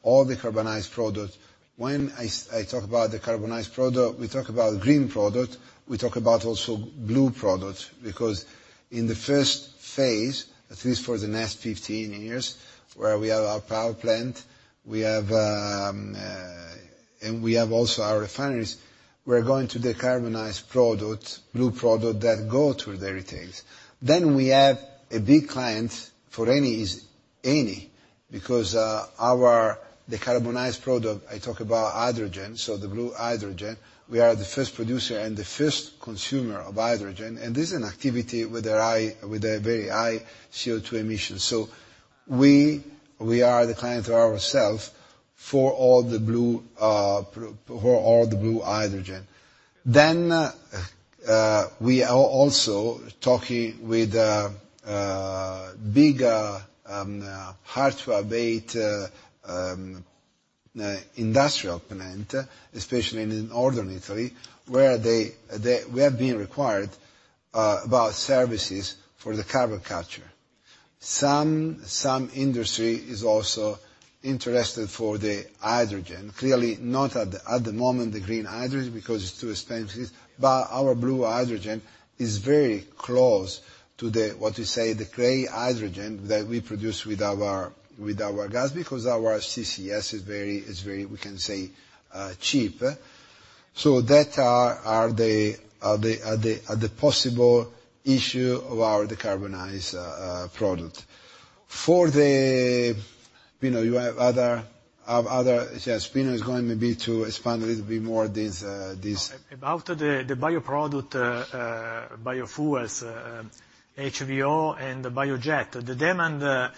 All the carbonized product. When I talk about the carbonized product, we talk about green product, we talk about also blue product, because in the first phase, at least for the next 15 years, where we have our power plant, and we have also our refineries, we're going to decarbonized product, blue product, that go to the retail. We have a big client for Eni is Eni, because our decarbonized product, I talk about hydrogen, the blue hydrogen. We are the first producer and the first consumer of hydrogen, this is an activity with a very high CO2 emission. We are the client ourselves for all the blue hydrogen. We are also talking with bigger, hard-to-abate industrial client, especially in northern Italy, where we have been required about services for the carbon capture. Some industry is also interested for the hydrogen. Not at the moment, the green hydrogen, because it's too expensive. Our blue hydrogen is very close to the, what you say, the gray hydrogen that we produce with our gas, because our CCS is very, we can say, cheap. That are the possible issue of our decarbonize product. You have other Pino is going maybe to expand a little bit more. About the bioproduct, biofuels, HVO, and the biojet. The demand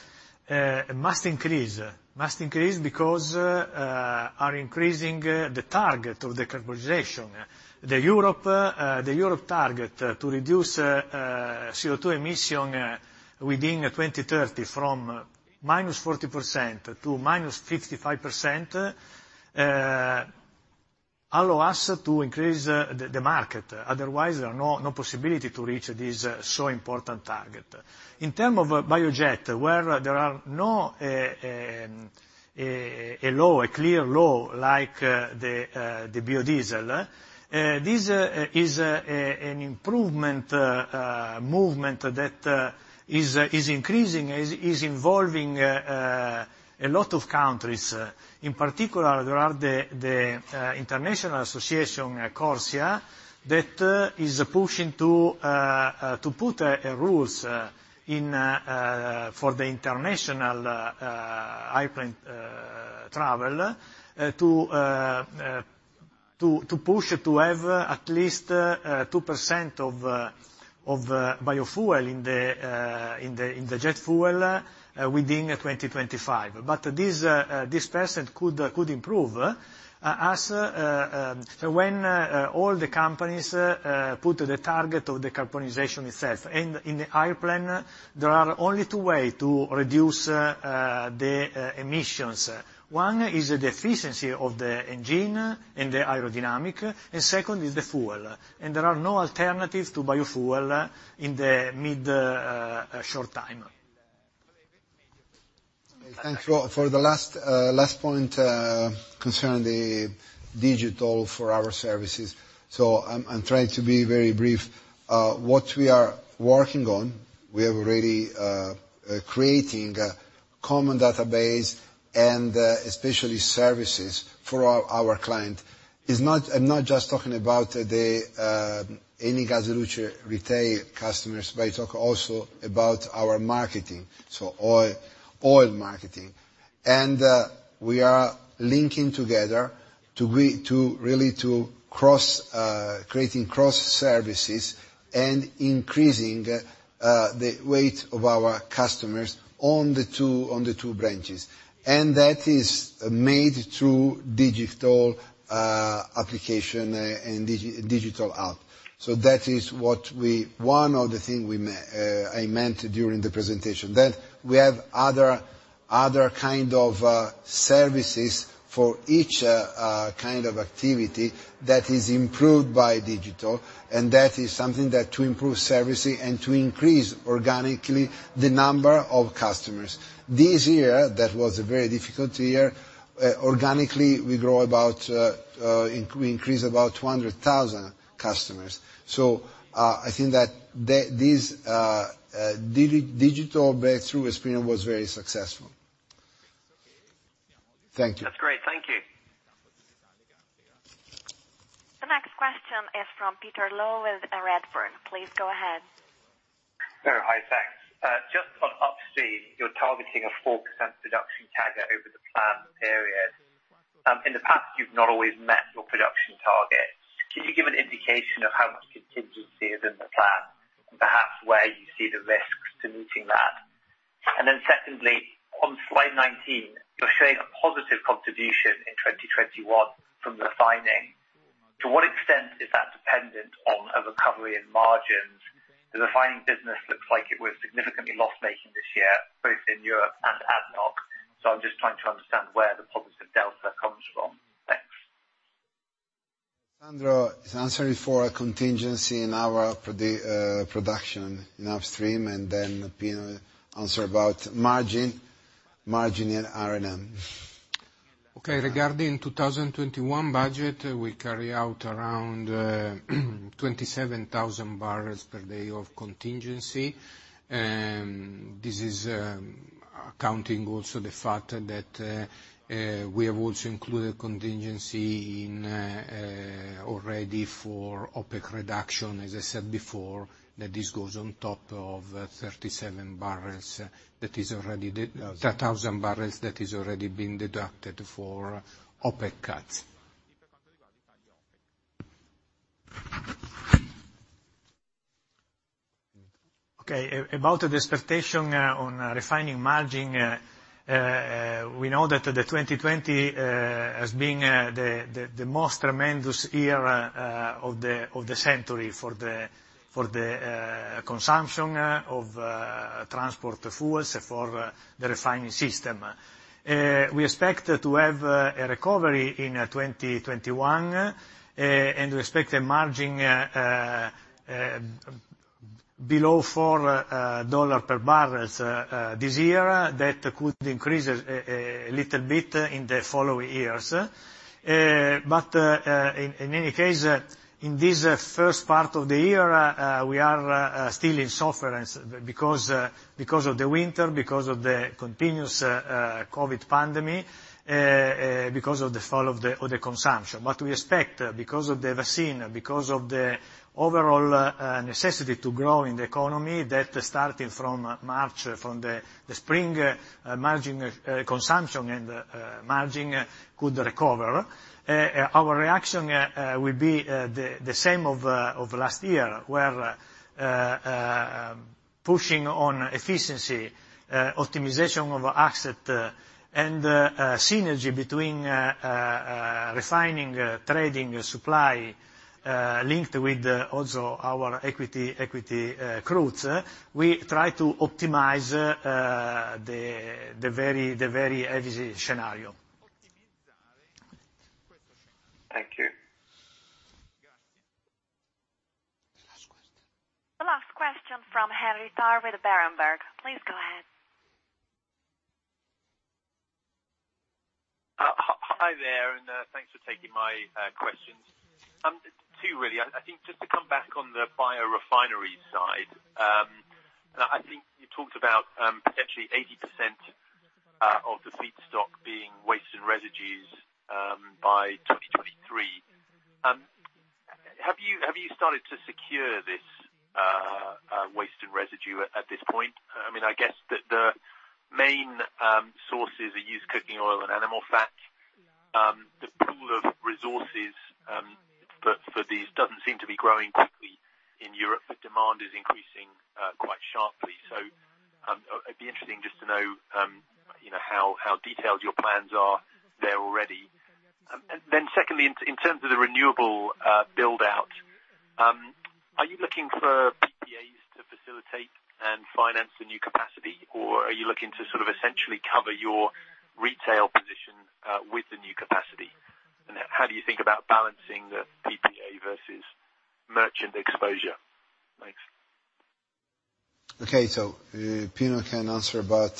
must increase. Must increase, because are increasing the target of decarbonization. The Europe target to reduce CO2 emission within 2030 from -40% to -55%, allow us to increase the market, otherwise, there are no possibility to reach this so important target. In term of biojet, where there are no clear law like the biodiesel. This is an improvement movement that is increasing, is involving a lot of countries. In particular, there are the International Association, CORSIA, that is pushing to put rules for the international airplane travel, to push to have at least 2% of biofuel in the jet fuel within 2025. This percent could improve, as when all the companies put the target of decarbonization itself. In the airplane, there are only two way to reduce the emissions. One is the efficiency of the engine and the aerodynamic, and second is the fuel. There are no alternatives to biofuel in the mid short time. For the last point concerning the digital for our services. I'm trying to be very brief. What we are working on, we are already creating a common database and especially services for our client. I'm not just talking about the Eni Gas e Luce retail customers, but I talk also about our marketing, so oil marketing. We are linking together really to creating cross-services and increasing the weight of our customers on the two branches. That is made through digital application and digital hub. That is one of the thing I meant during the presentation. We have other kind of services for each kind of activity that is improved by digital, and that is something that to improve services and to increase organically the number of customers. This year, that was a very difficult year, organically, we increase about 200,000 customers. I think that this digital breakthrough experience was very successful. Thank you. That's great. Thank you. The next question is from Peter Low at Redburn. Please go ahead. Hi, thanks. Just on upstream, you're targeting a 4% production tag over the planned period. In the past, you've not always met your production target. Can you give an indication of how much contingency is in the plan, and perhaps where you see the risks to meeting that? Secondly, on slide 19, you're showing a positive contribution in 2021 from refining. The refining business looks like it was significantly loss-making this year, both in Europe and ADNOC. I'm just trying to understand where the positive delta comes from. Thanks. Sandro is answering for a contingency in our production in upstream, and then Pino will answer about margin in R&M. Okay. Regarding 2021 budget, we carry out around 27,000 barrels per day of contingency. This is accounting also the fact that we have also included contingency already for OPEC reduction. As I said before, that this goes on top of 37,000 barrels that is already been deducted for OPEC cuts. Okay. About the expectation on refining margin. We know that the 2020 as being the most tremendous year of the century for the consumption of transport fuels for the refining system. We expect to have a recovery in 2021, and we expect a margin below $4 per barrels this year, that could increase a little bit in the following years. In any case, in this first part of the year, we are still in sufferance because of the winter, because of the continuous COVID pandemic, because of the fall of the consumption. We expect, because of the vaccine, because of the overall necessity to grow in the economy, that starting from March, from the spring, margin consumption and margin could recover. Our reaction will be the same of last year, where pushing on efficiency, optimization of asset, and synergy between refining, trading, supply, linked with also our equity growth. We try to optimize the very heavy scenario. Thank you. The last question. The last question from Henry Tarr with Berenberg. Please go ahead. Hi there, and thanks for taking my questions. Two, really. I think just to come back on the biorefinery side. I think you talked about potentially 80% of the feedstock being waste and residues by 2023. Have you started to secure this waste and residue at this point? I guess that the main sources are used cooking oil and animal fat. The pool of resources for these doesn't seem to be growing quickly in Europe, but demand is increasing quite sharply. It'd be interesting just to know how detailed your plans are there already. Secondly, in terms of the renewable build-out, are you looking for PPAs to facilitate and finance the new capacity? Or are you looking to essentially cover your retail position with the new capacity? How do you think about balancing the PPA versus merchant exposure? Thanks. Okay. Pino can answer about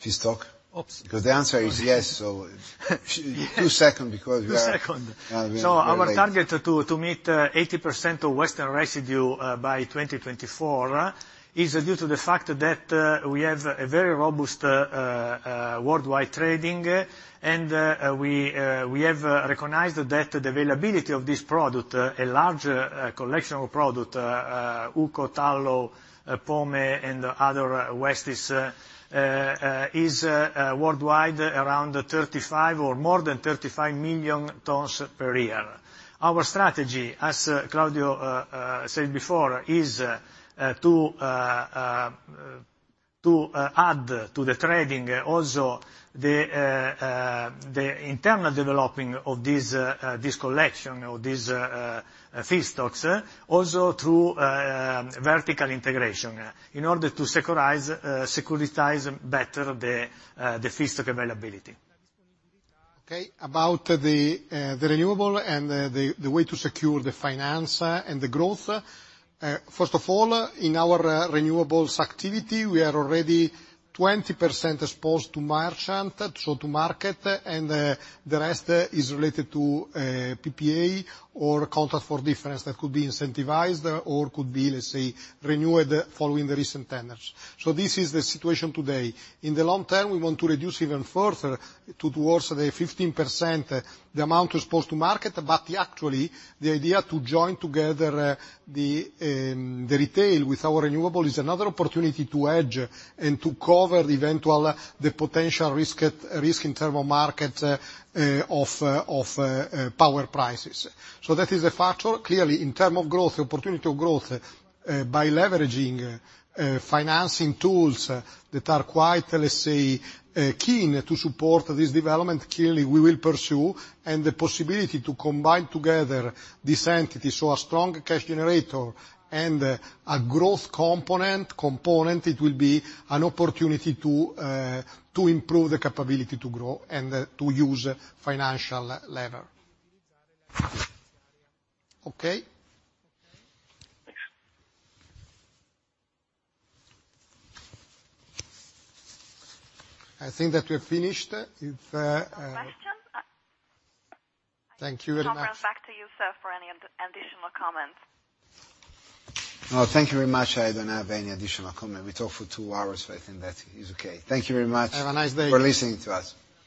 feedstock. Oops. The answer is yes. Two second. Yeah. Our target to meet 80% of waste and residue by 2024 is due to the fact that we have a very robust worldwide trading. We have recognized that the availability of this product, a large collection of product, UCO, tallow, POME, and other waste, is worldwide around 35 million per ton or more than 35 million tons per year. Our strategy, as Claudio said before, is to add to the trading also the internal developing of this collection of these feedstocks, also through vertical integration in order to securitize better the feedstock availability. Okay, about the renewable and the way to secure the finance and the growth. First of all, in our renewables activity, we are already 20% exposed to merchant, so to market, and the rest is related to PPA or contract for difference that could be incentivized or could be, let's say, renewed following the recent tenders. This is the situation today. Actually, the idea to join together the retail with our renewable is another opportunity to hedge and to cover the potential risk in term of market of power prices. That is a factor. Clearly, in term of growth, opportunity of growth, by leveraging financing tools that are quite, let's say, keen to support this development, clearly, we will pursue. The possibility to combine together this entity, so a strong cash generator and a growth component, it will be an opportunity to improve the capability to grow and to use financial lever. Okay? Thanks. I think that we have finished. No questions. Thank you very much. Conference back to you, sir, for any additional comments. No, thank you very much. I don't have any additional comment. We talked for two hours, so I think that is okay. Thank you very much- Have a nice day. for listening to us.